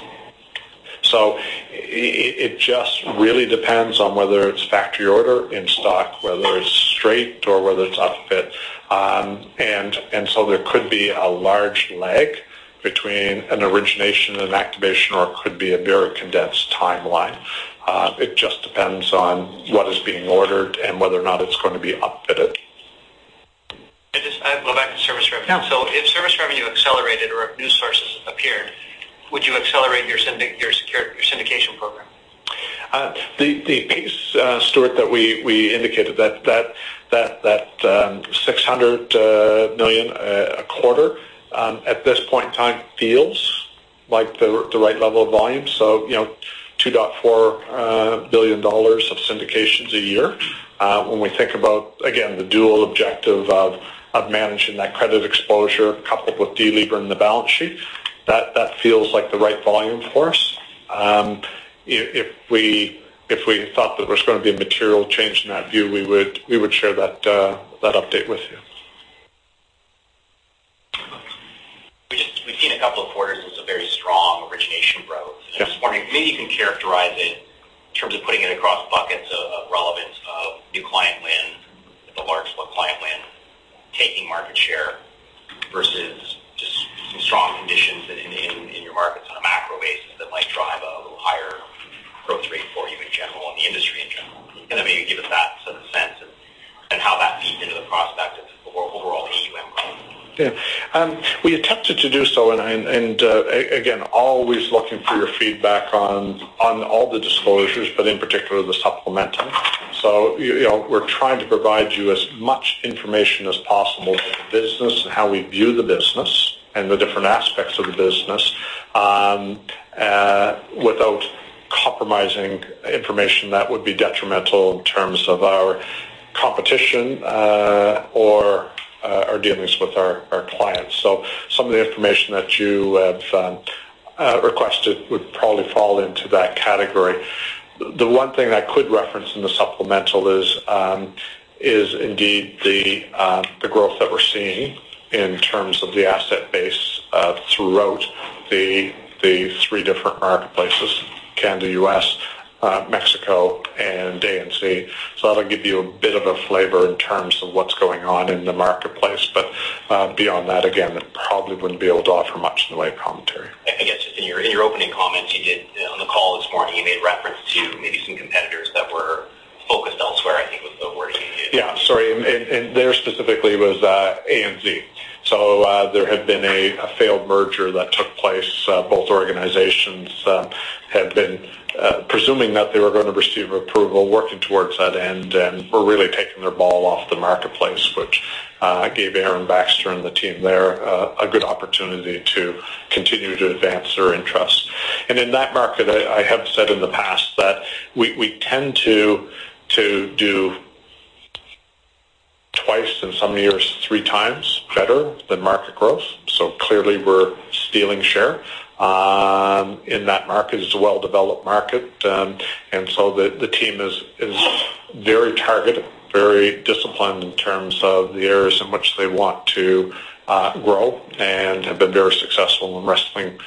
It just really depends on whether it's factory order in stock, whether it's straight or whether it's up fit. There could be a large lag between an origination and activation, or it could be a very condensed timeline. It just depends on what is being ordered and whether or not it's going to be upfitted. I'll go back to service revenue. Yeah. If service revenue accelerated or new sources appeared, would you accelerate your syndication program? The pace, Stuart, that we indicated, that 600 million a quarter, at this point in time, feels like the right level of volume. 2.4 billion dollars of syndications a year. When we think about, again, the dual objective of managing that credit exposure coupled with delevering the balance sheet, that feels like the right volume for us. If we thought that there was going to be a material change in that view, we would share that update with you. We've seen a couple of quarters with some very strong origination growth. Yeah. Just wondering maybe you can characterize it in terms of putting it across buckets of relevance of new client win at the large club client win, taking market share versus just some strong conditions in your markets on a macro basis that might drive a little higher growth rate for you in general and the industry in general. Can maybe give us that sort of sense and how that feeds into the prospect of overall AUM growth? We attempted to do so, and again, always looking for your feedback on all the disclosures, but in particular the supplemental. We're trying to provide you as much information as possible of the business, and how we view the business, and the different aspects of the business, without compromising information that would be detrimental in terms of our competition or our dealings with our clients. Some of the information that you have requested would probably fall into that category. The one thing I could reference in the supplemental is indeed the growth that we're seeing in terms of the asset base throughout the three different marketplaces, Canada, U.S., Mexico, and ANZ. That'll give you a bit of a flavor in terms of what's going on in the marketplace. Beyond that, again, I probably wouldn't be able to offer much in the way of commentary. I guess just in your opening comments you did on the call this morning, you made reference to maybe some competitors that were focused elsewhere, I think was the wording you used. Yeah, sorry. There specifically was ANZ. There had been a failed merger that took place. Both organizations had been presuming that they were going to receive approval, working towards that end, and were really taking their ball off the marketplace, which gave Aaron Baxter and the team there a good opportunity to continue to advance their interests. In that market, I have said in the past that we tend to do twice, in some years, three times better than market growth. Clearly we're stealing share in that market. It's a well-developed market. The team is very targeted, very disciplined in terms of the areas in which they want to grow and have been very successful in wrestling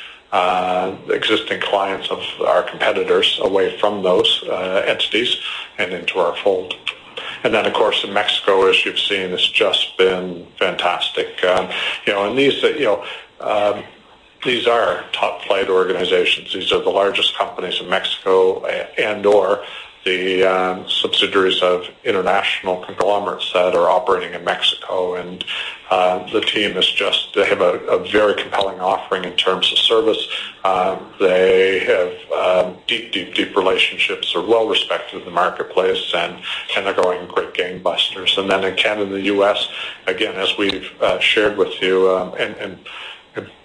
existing clients of our competitors away from those entities and into our fold. Of course, in Mexico, as you've seen, it's just been fantastic. These are top-flight organizations. These are the largest companies in Mexico and/or the subsidiaries of international conglomerates that are operating in Mexico. The team have a very compelling offering in terms of service. They have deep relationships of well-respected in the marketplace, and they're going great gangbusters. In Canada and the U.S., again, as we've shared with you,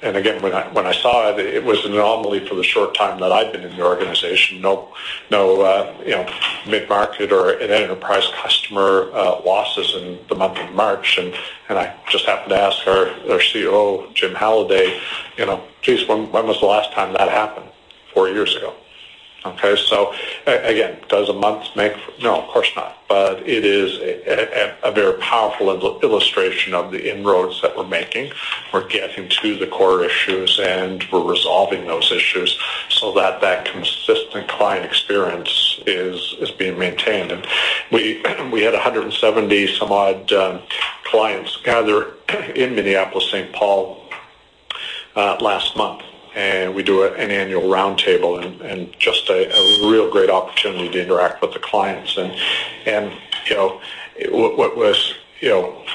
again, when I saw it was an anomaly for the short time that I've been in the organization. No mid-market or an enterprise customer losses in the month of March, and I just happened to ask our COO, Jim Halliday, "Geez, when was the last time that happened?" Four years ago. Okay. Again, does a month make No, of course not. It is a very powerful illustration of the inroads that we're making. We're getting to the core issues, we're resolving those issues so that that consistent client experience is being maintained. We had 170 some odd clients gather in Minneapolis, St. Paul last month, and we do an annual roundtable and just a great opportunity to interact with the clients. What was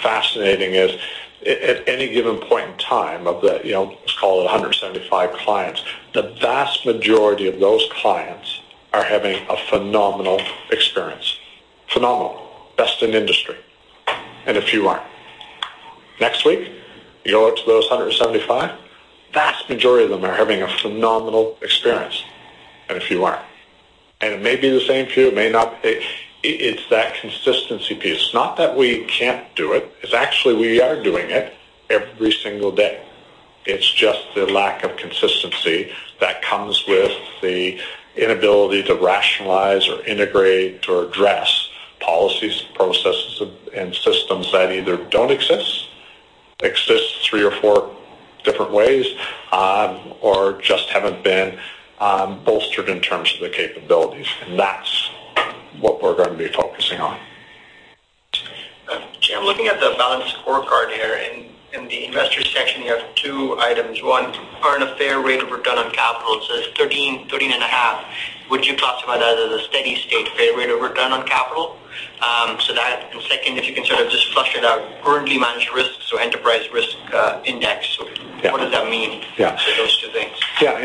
fascinating is at any given point in time of the, let's call it 175 clients, the vast majority of those clients are having a phenomenal experience, phenomenal. Best in industry. A few aren't. Next week, you go out to those 175, vast majority of them are having a phenomenal experience, and a few aren't. It may be the same few, it may not. It's that consistency piece. Not that we can't do it. It's actually we are doing it every single day. It's just the lack of consistency that comes with the inability to rationalize or integrate or address policies, processes, and systems that either don't exist three or four different ways, or just haven't been bolstered in terms of the capabilities. That's what we're going to be focusing on. Jay, I'm looking at the Balanced Scorecard here. In the investors section, you have two items. One, earn a fair rate of return on capital. It says 13 and a half. Would you classify that as a steady state fair rate of return on capital? That, and second, if you can sort of just flush it out, currently managed risks or enterprise risk index. Yeah. What does that mean? Yeah. Those two things. Yeah.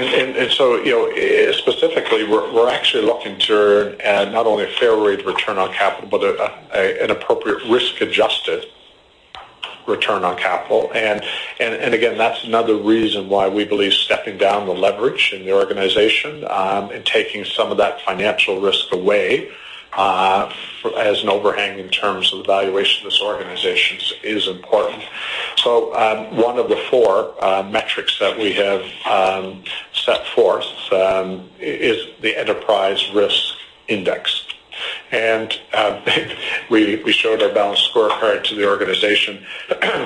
Specifically, we're actually looking to earn not only a fair rate of return on capital, but an appropriate risk-adjusted return on capital. Again, that's another reason why we believe stepping down the leverage in the organization, and taking some of that financial risk away as an overhang in terms of the valuation of this organization is important. One of the four metrics that we have set forth is the enterprise risk index. We showed our Balanced Scorecard to the organization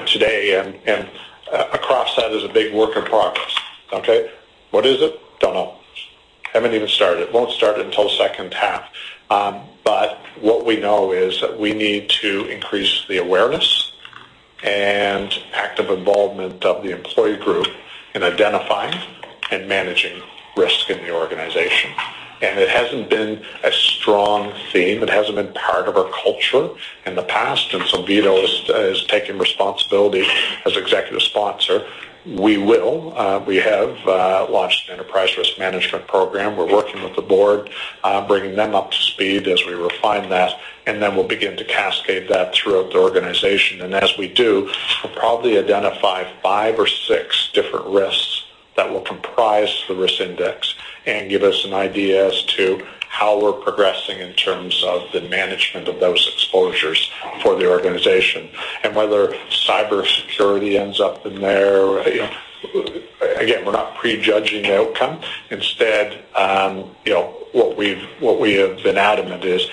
today, and across that is a big work in progress. Okay? What is it? Don't know. Haven't even started. Won't start until the second half. What we know is that we need to increase the awareness and active involvement of the employee group in identifying and managing risk in the organization. It hasn't been a strong theme. It hasn't been part of our culture in the past. Vito has taken responsibility as executive sponsor. We have launched an Enterprise Risk Management program. We're working with the board, bringing them up to speed as we refine that. Then we'll begin to cascade that throughout the organization. As we do, we'll probably identify five or six different risks that will comprise the risk index and give us an idea as to how we're progressing in terms of the management of those exposures for the organization. Whether cybersecurity ends up in there, again, we're not prejudging the outcome. Instead, what we have been adamant is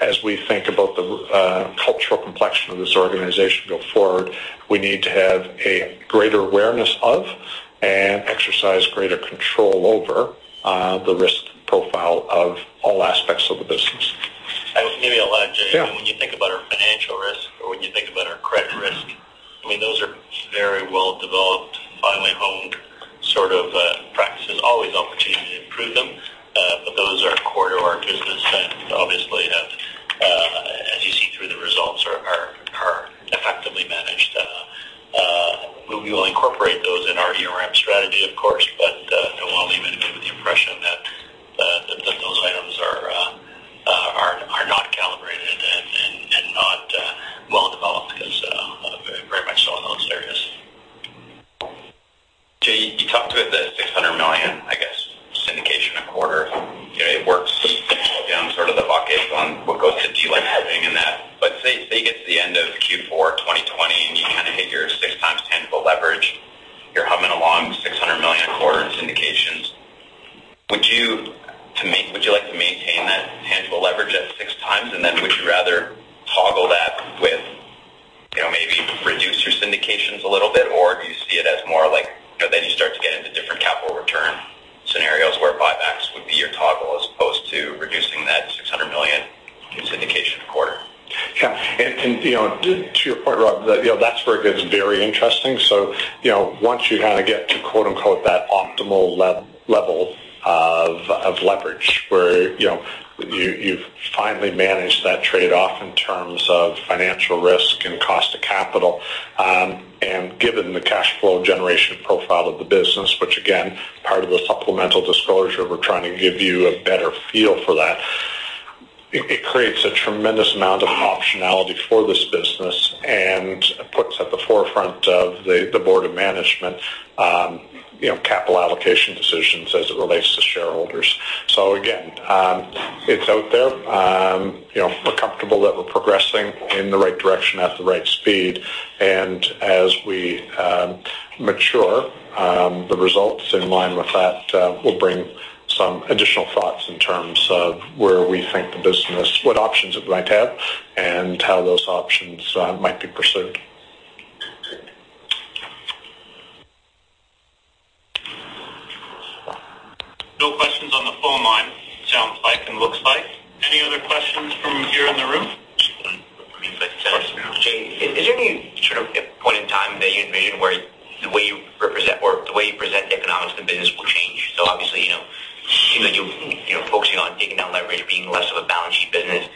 as we think about the cultural complexion of this organization going forward, we need to have a greater awareness of and exercise greater control over the risk profile of all aspects of the business. Maybe I'll add, Jay. Yeah. When you think about our financial risk or when you think about our credit risk, those are very well-developed, finely honed sort of practices. Always opportunity to improve them. Those are core to our business and obviously have, as you see through the results, are effectively managed. We will incorporate those in our ERM strategy, of course, but don't want to leave anybody with the impression that those items are not calibrated and not well-developed because we're very much so in those areas. Jay, you talked about the 600 million, I guess, syndication a quarter. It works down sort of the bucket on what goes to de-leveraging in that. Say you get to the end of Q4 2020, and you kind of hit your 6 times tangible leverage. You're humming along 600 million a quarter in syndications. Would you like to maintain that tangible leverage at 6 times, and then would you rather toggle that with maybe reduce your syndications a little bit? Do you see it as more like then you start to get into different capital return scenarios where buybacks would be your toggle as opposed to reducing that 600 million in syndication a quarter? Yeah. To your point, Rob, that's where it gets very interesting. Once you kind of get to quote unquote, that optimal level of leverage where you've finally managed that trade-off in terms of financial risk and cost of capital. Given the cash flow generation profile of the business, which again, part of the supplemental disclosure, we're trying to give you a better feel for that. It creates a tremendous amount of optionality for this business and puts at the forefront of the board of management capital allocation decisions as it relates to shareholders. Again, it's out there. We're comfortable that we're progressing in the right direction at the right speed, and as we mature, the results in line with that will bring some additional thoughts in terms of where we think the business, what options it might have and how those options might be pursued. No questions on the phone line, sounds like and looks like. Is there any sort of point in time that you envision where the way you present the economics of the business will change? Obviously, it seems like you're focusing on taking down leverage, being less of a balance sheet business.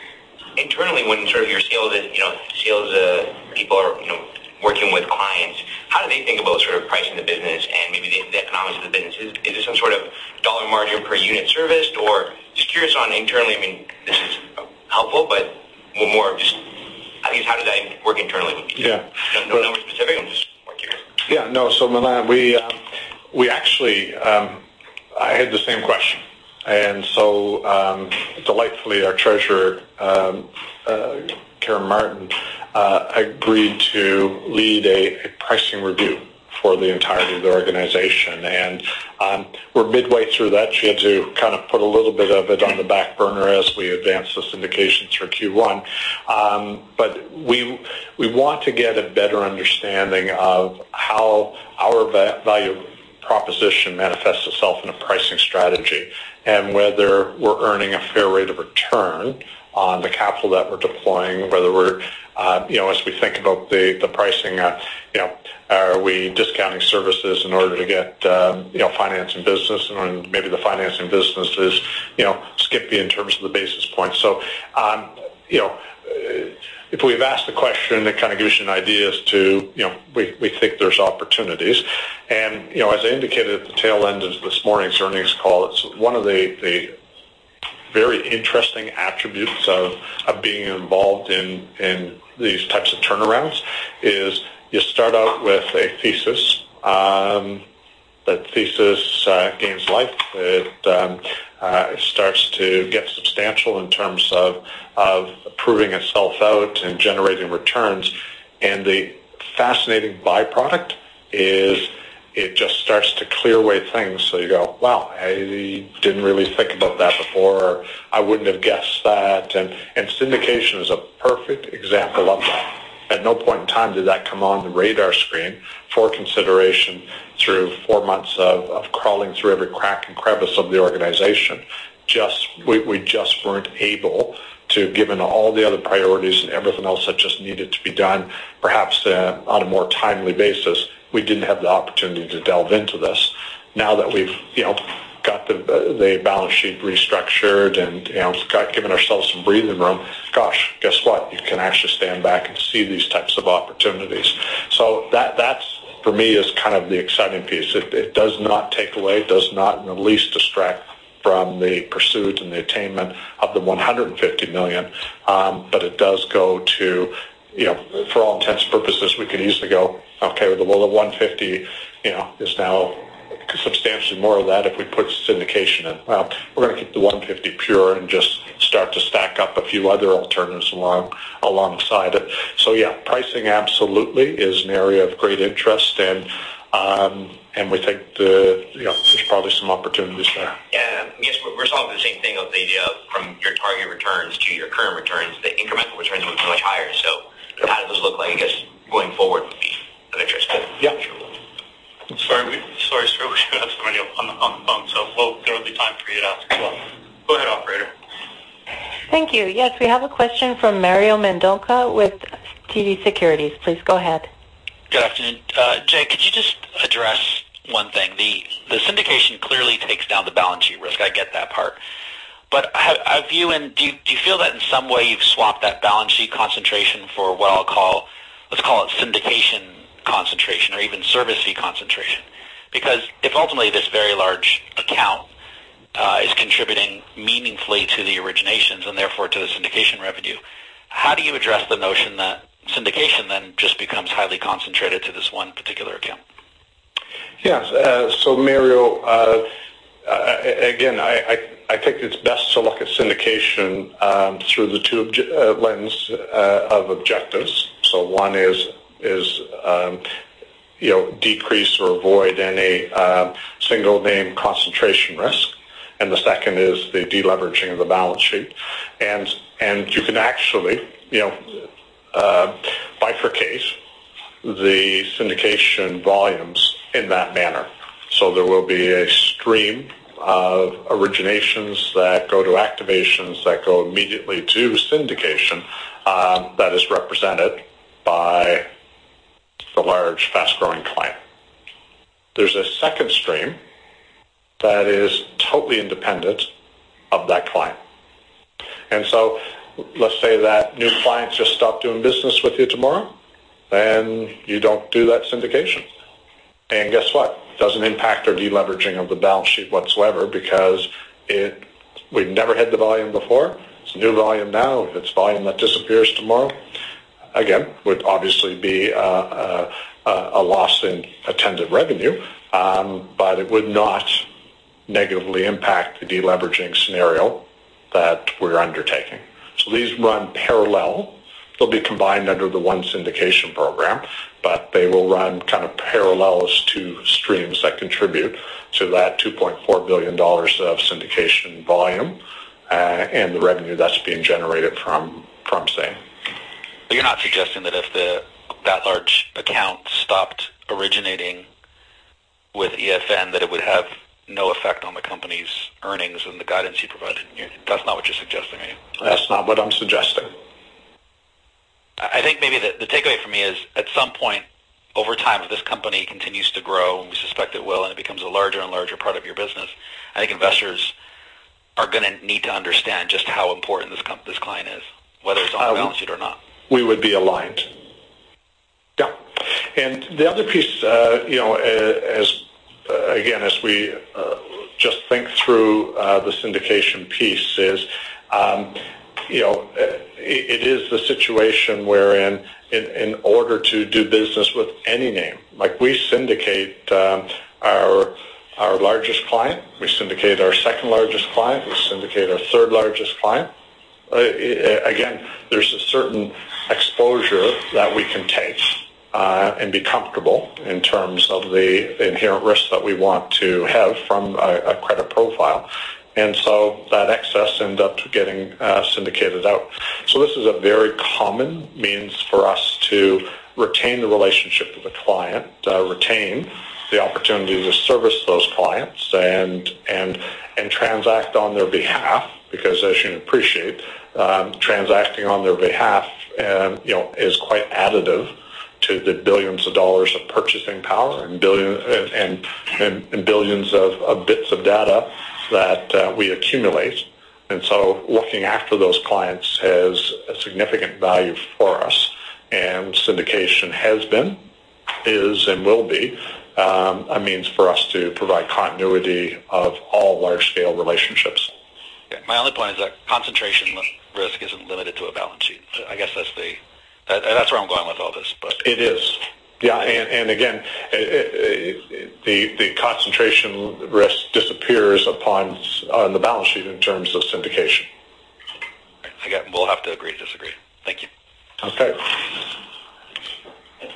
Internally, when your sales people are working with clients, how do they think about pricing the business and maybe the economics of the business? Is it some sort of CAD margin per unit serviced? Just curious on internally, this is helpful, but more of just how does that work internally with people? Yeah. Nothing specific. I'm just more curious. Yeah. No. Milan, actually, I had the same question. Delightfully, our Treasurer, Karen Martin, agreed to lead a pricing review for the entirety of the organization. We're midway through that. She had to kind of put a little bit of it on the back burner as we advanced the syndication through Q1. We want to get a better understanding of how our value proposition manifests itself in a pricing strategy and whether we're earning a fair rate of return on the capital that we're deploying, whether as we think about the pricing, are we discounting services in order to get finance and business? Maybe the financing business is skimpy in terms of the basis points. If we've asked the question, it kind of gives you an idea as to we think there's opportunities. As I indicated at the tail end of this morning's earnings call, one of the very interesting attributes of being involved in these types of turnarounds is you start out with a thesis. That thesis gains life. It starts to get substantial in terms of proving itself out and generating returns. The fascinating byproduct is it just starts to clear away things. You go, "Wow, I didn't really think about that before," or, "I wouldn't have guessed that." Syndication is a perfect example of that. At no point in time did that come on the radar screen for consideration through four months of crawling through every crack and crevice of the organization. We just weren't able to, given all the other priorities and everything else that just needed to be done, perhaps on a more timely basis, we didn't have the opportunity to delve into this. Now that we've got the balance sheet restructured and given ourselves some breathing room, gosh, guess what? You can actually stand back and see these types of opportunities. That for me is kind of the exciting piece. It does not take away, it does not in the least distract from the pursuit and the attainment of the 150 million. It does go to, for all intents and purposes, we could easily go, okay, well, the 150 is now substantially more of that if we put syndication in. Well, we're going to keep the 150 pure and just start to stack up a few other alternatives alongside it. Yeah, pricing absolutely is an area of great interest, and we think there's probably some opportunities there. Yeah. I guess we're solving the same thing of the idea of from your target returns to your current returns, the incremental returns would be much higher. How does this look like, I guess, going forward would be of interest. Yeah. Sorry, sir. We do have somebody on the phone, there will be time for you to ask as well. Go ahead, operator. Thank you. Yes, we have a question from Mario Mendonca with TD Securities. Please go ahead. Good afternoon. Jay, could you just address one thing? The syndication clearly takes down the balance sheet risk. I get that part. Do you feel that in some way you've swapped that balance sheet concentration for what I'll call, let's call it syndication concentration or even service fee concentration? If ultimately this very large account is contributing meaningfully to the originations and therefore to the syndication revenue, how do you address the notion that syndication then just becomes highly concentrated to this one particular account? Yes. Mario, again, I think it's best to look at syndication through the lens of objectives. One is decrease or avoid any single name concentration risk. The second is the de-leveraging of the balance sheet. You can actually bifurcate the syndication volumes in that manner. There will be a stream of originations that go to activations, that go immediately to syndication that is represented by the large, fast-growing client. There's a second stream that is totally independent of that client. Let's say that new client just stopped doing business with you tomorrow, then you don't do that syndication. Guess what? It doesn't impact our de-leveraging of the balance sheet whatsoever because we've never had the volume before. It's new volume now. If it's volume that disappears tomorrow, again, would obviously be a loss in attendant revenue. It would not negatively impact the de-leveraging scenario that we're undertaking. These run parallel. They'll be combined under the one syndication program, they will run kind of parallels to streams that contribute to that 2.4 billion dollars of syndication volume, and the revenue that's being generated from same. You're not suggesting that if that large account stopped originating with EFN that it would have no effect on the company's earnings and the guidance you provided. That's not what you're suggesting to me? That's not what I'm suggesting. I think maybe the takeaway for me is, at some point over time, if this company continues to grow, and we suspect it will, and it becomes a larger and larger part of your business, I think investors are going to need to understand just how important this client is, whether it's on the balance sheet or not. We would be aligned. Yeah. The other piece, again, as we just think through the syndication piece is it is the situation wherein in order to do business with any name. We syndicate our largest client, we syndicate our second largest client, we syndicate our third largest client. Again, there's a certain exposure that we can take and be comfortable in terms of the inherent risk that we want to have from a credit profile. That excess ends up getting syndicated out. This is a very common means for us to retain the relationship with a client, retain the opportunity to service those clients, and transact on their behalf. Because as you appreciate, transacting on their behalf is quite additive to the billions of CAD of purchasing power and billions of bits of data that we accumulate. Looking after those clients has a significant value for us, and syndication has been, is, and will be a means for us to provide continuity of all large-scale relationships. Yeah. My only point is that concentration risk isn't limited to a balance sheet. I guess that's where I'm going with all this. It is. Yeah. Again, the concentration risk disappears upon the balance sheet in terms of syndication. I get it. We'll have to agree to disagree. Thank you. Okay.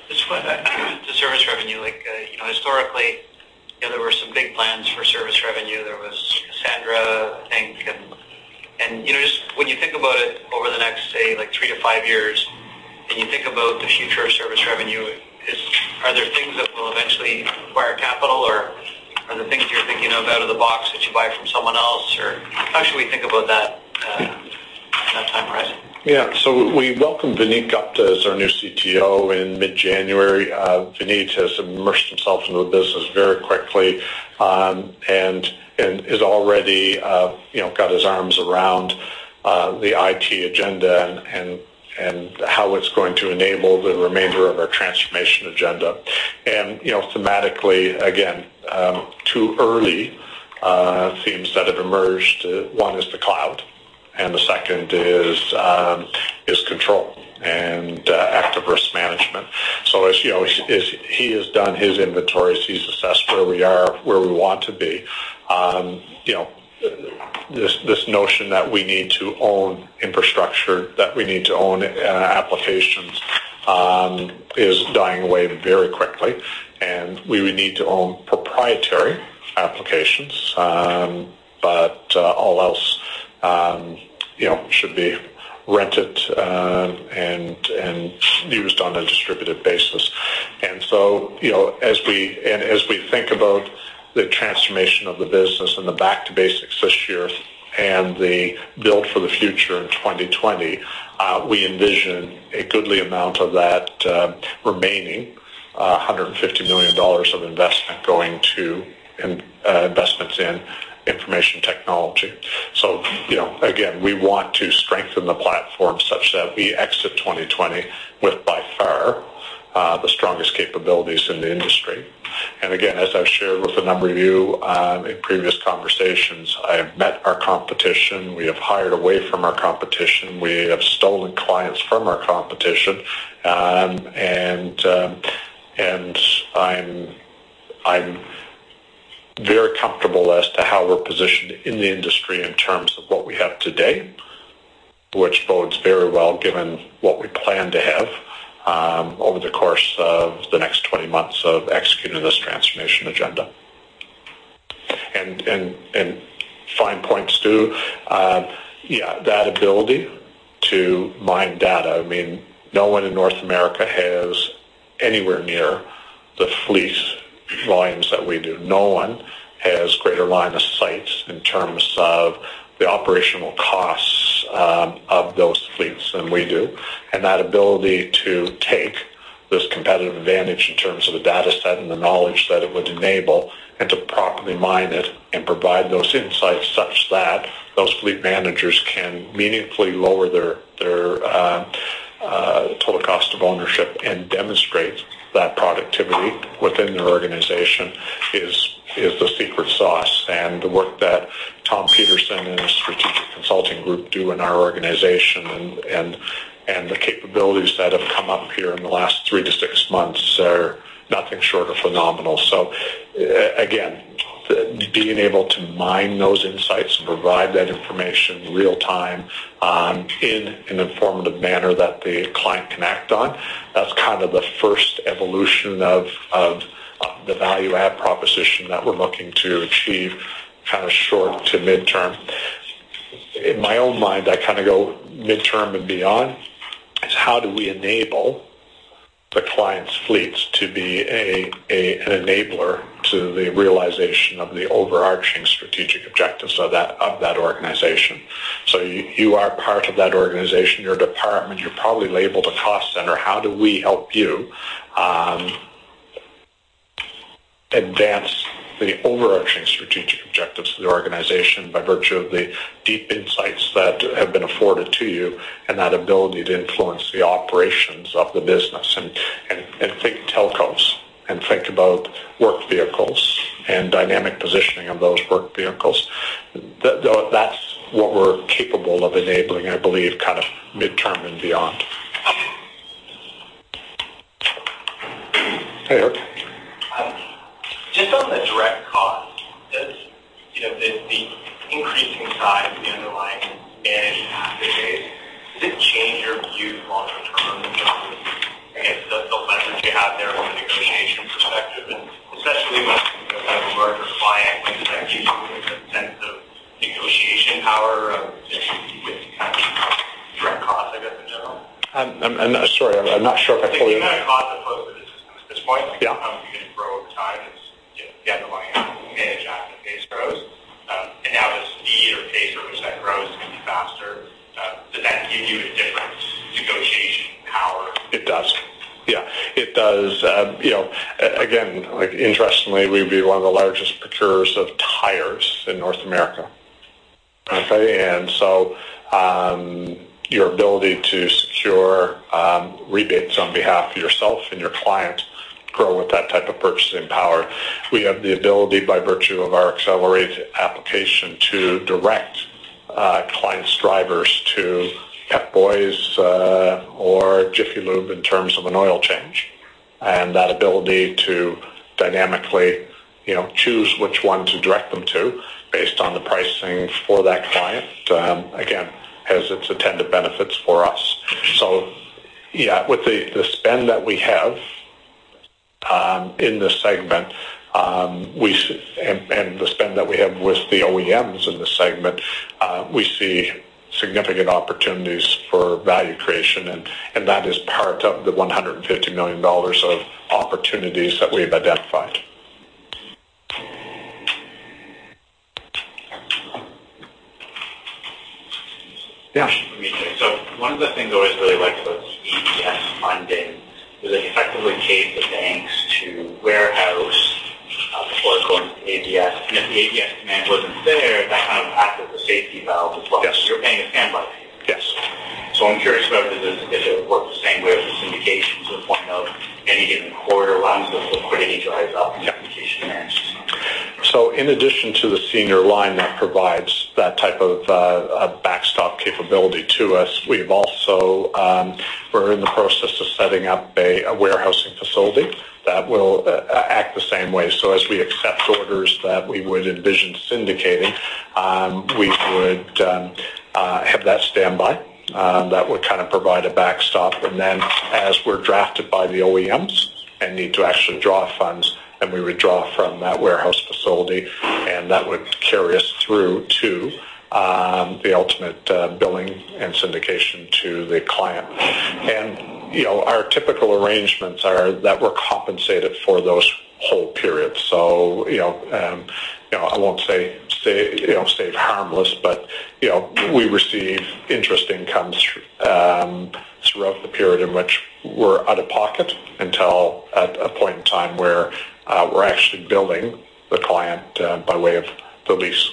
Just one to service revenue. Historically, there were some big plans for service revenue. There was Cassandra, I think. Just when you think about it over the next, say, three to five years, and you think about the future of service revenue, are there things that will eventually require capital, or are there things you're thinking of out of the box that you buy from someone else? How should we think about that time horizon? Yeah. We welcomed Vineet Gupta as our new CTO in mid-January. Vineet has immersed himself into the business very quickly, and has already got his arms around the IT agenda and how it's going to enable the remainder of our transformation agenda. Thematically, again, two early themes that have emerged. One is the cloud, and the second is control and active risk management. As you know, he has done his inventory. He's assessed where we are, where we want to be. This notion that we need to own infrastructure, that we need to own applications is dying away very quickly. We would need to own proprietary applications. All else should be rented and used on a distributed basis. As we think about the transformation of the business and the back to basics this year and the build for the future in 2020, we envision a goodly amount of that remaining 150 million dollars of investment going to investments in information technology. Again, we want to strengthen the platform such that we exit 2020 with by far the strongest capabilities in the industry. Again, as I've shared with a number of you in previous conversations, I have met our competition. We have hired away from our competition. We have stolen clients from our competition. I'm very comfortable as to how we're positioned in the industry in terms of what we have today, which bodes very well given what we plan to have over the course of the next 20 months of executing this transformation agenda. Fine points, too. Yeah, that ability to mine data. No one in North America has anywhere near the fleet volumes that we do. No one has greater line of sights in terms of the operational costs of those fleets than we do. That ability to take this competitive advantage in terms of the data set and the knowledge that it would enable, and to properly mine it and provide those insights such that those fleet managers can meaningfully lower their total cost of ownership and demonstrate that productivity within their organization is the secret sauce. The work that Tom Peterson and his Strategic Consulting group do in our organization, and the capabilities that have come up here in the last three to six months are nothing short of phenomenal. Again, being able to mine those insights and provide that information in real time in an informative manner that the client can act on, that's kind of the first evolution of the value add proposition that we're looking to achieve kind of short to midterm. In my own mind, I go midterm and beyond, is how do we enable the client's fleets to be an enabler to the realization of the overarching strategic objectives of that organization? You are part of that organization, your department, you're probably labeled a cost center. How do we help you advance the overarching strategic objectives of the organization by virtue of the deep insights that have been afforded to you, and that ability to influence the operations of the business. Think telecoms, and think about work vehicles, and dynamic positioning of those work vehicles. That's what we're capable of enabling, I believe, midterm and beyond. Hey, Eric. Just on the direct cost. The increasing size of the underlying managed asset base, does it change your view long-term in terms of, I guess, the levers you have there from a negotiation perspective? Especially when you have a larger client, does that give you a sense of negotiation power of direct costs, I guess, in general? I'm sorry, I'm not sure if I follow you. The direct costs are closed for the system at this point. Yeah. How you're going to grow over time is the underlying managed asset base grows. Now the speed or pace at which that grows can be faster. Does that give you a different negotiation power? It does. Yeah. It does. Again, interestingly, we'd be one of the largest procurers of tires in North America. Okay? So, your ability to secure rebates on behalf of yourself and your client grow with that type of purchasing power. We have the ability, by virtue of our accelerated application, to direct clients' drivers to Pep Boys or Jiffy Lube in terms of an oil change. That ability to dynamically choose which one to direct them to based on the pricing for that client, again, has its attendant benefits for us. Yeah, with the spend that we have in this segment, and the spend that we have with the OEMs in this segment, we see significant opportunities for value creation. That is part of the 150 million dollars of opportunities that we've identified. Yeah. One of the things I always really liked about the ABS funding was it effectively paid the banks to warehouse before it going to ABS. If the ABS demand wasn't there, that kind of acted as a safety valve as well. Yes. You were paying a standby fee. Yes. I'm curious about if it would work the same way with the syndications at point of any given quarter once the liquidity dries up and communication advances. In addition to the senior line that provides that type of backstop capability to us, we're in the process of setting up a warehousing facility that will act the same way. As we accept orders that we would envision syndicating, we would have that standby that would provide a backstop. As we're drafted by the OEMs and need to actually draw funds, we would draw from that warehouse facility, and that would carry us through to the ultimate billing and syndication to the client. Our typical arrangements are that we're compensated for those whole periods. I won't say stay harmless, but we receive interest incomes throughout the period in which we're out of pocket until at a point in time where we're actually billing the client by way of the lease.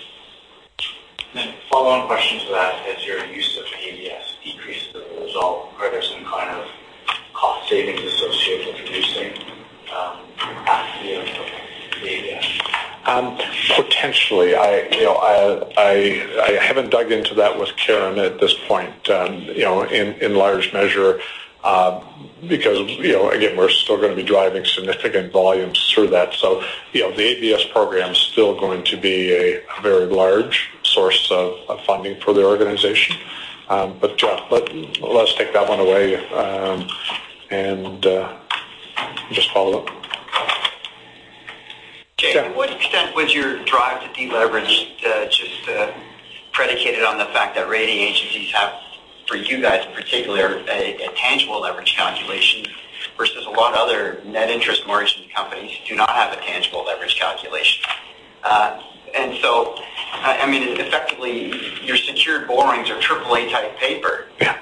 A follow-on question to that. As your use of ABS decreases as a result, are there some kind of cost savings associated with reducing the use of ABS? Potentially. I haven't dug into that with Kieran at this point in large measure because, again, we're still going to be driving significant volumes through that. The ABS program's still going to be a very large source of funding for the organization. Jeff, let us take that one away, and just follow up. Yeah. To what extent was your drive to deleverage just predicated on the fact that rating agencies have, for you guys in particular, a tangible leverage calculation versus a lot of other net interest margins companies do not have a tangible leverage calculation. I mean, effectively, your secured borrowings are AAA type paper. Yeah.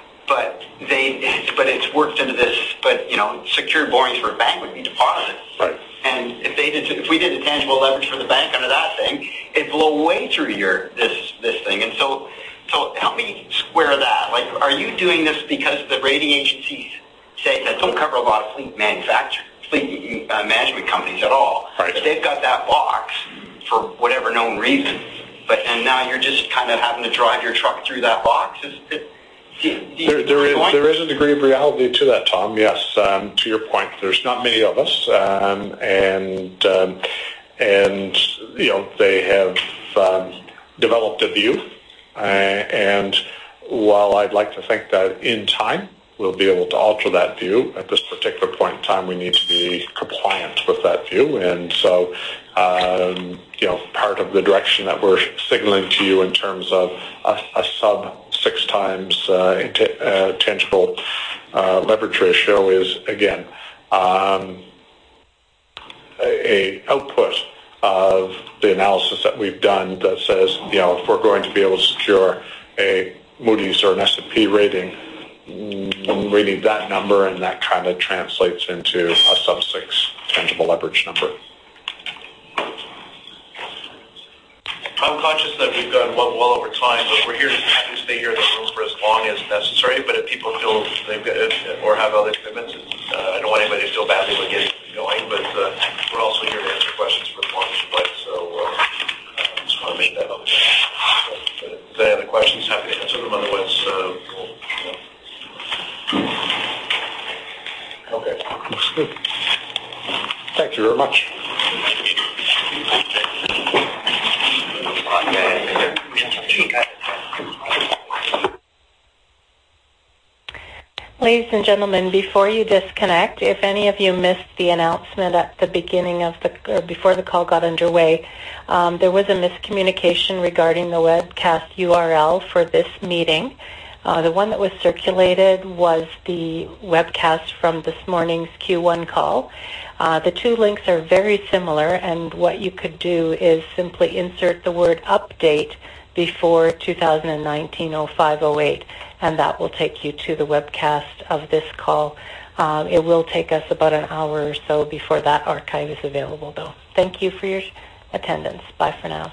Secured borrowings for a bank would be deposits. Right. If we did a tangible leverage for the bank under that thing, it'd blow way through this thing. Help me square that. Are you doing this because the rating agencies say That don't cover a lot of fleet management companies at all. Right. They've got that box for whatever known reason. Now you're just kind of having to drive your truck through that box. Do you see my point? There is a degree of reality to that, Tom, yes. To your point, there's not many of us, and they have developed a view. While I'd like to think that in time we'll be able to alter that view, at this particular point in time, we need to be compliant with that view. Part of the direction that we're signaling to you in terms of a sub six times tangible leverage ratio is, again, a output of the analysis that we've done that says if we're going to be able to secure a Moody's or an S&P rating, we need that number, and that kind of translates into a sub six tangible leverage number. I'm conscious that we've gone well over time, but we're happy to stay here in the room for as long as necessary. If people feel they have other commitments, I don't want anybody to feel badly we're getting going. We're also here to answer questions for as long as you like. I just want to make that known. If there are any other questions, happy to answer them otherwise we'll. Okay. Thank you very much. Ladies and gentlemen, before you disconnect, if any of you missed the announcement before the call got underway, there was a miscommunication regarding the webcast URL for this meeting. The one that was circulated was the webcast from this morning's Q1 call. The two links are very similar. What you could do is simply insert the word update before 2019 0508, and that will take you to the webcast of this call. It will take us about an hour or so before that archive is available, though. Thank you for your attendance. Bye for now.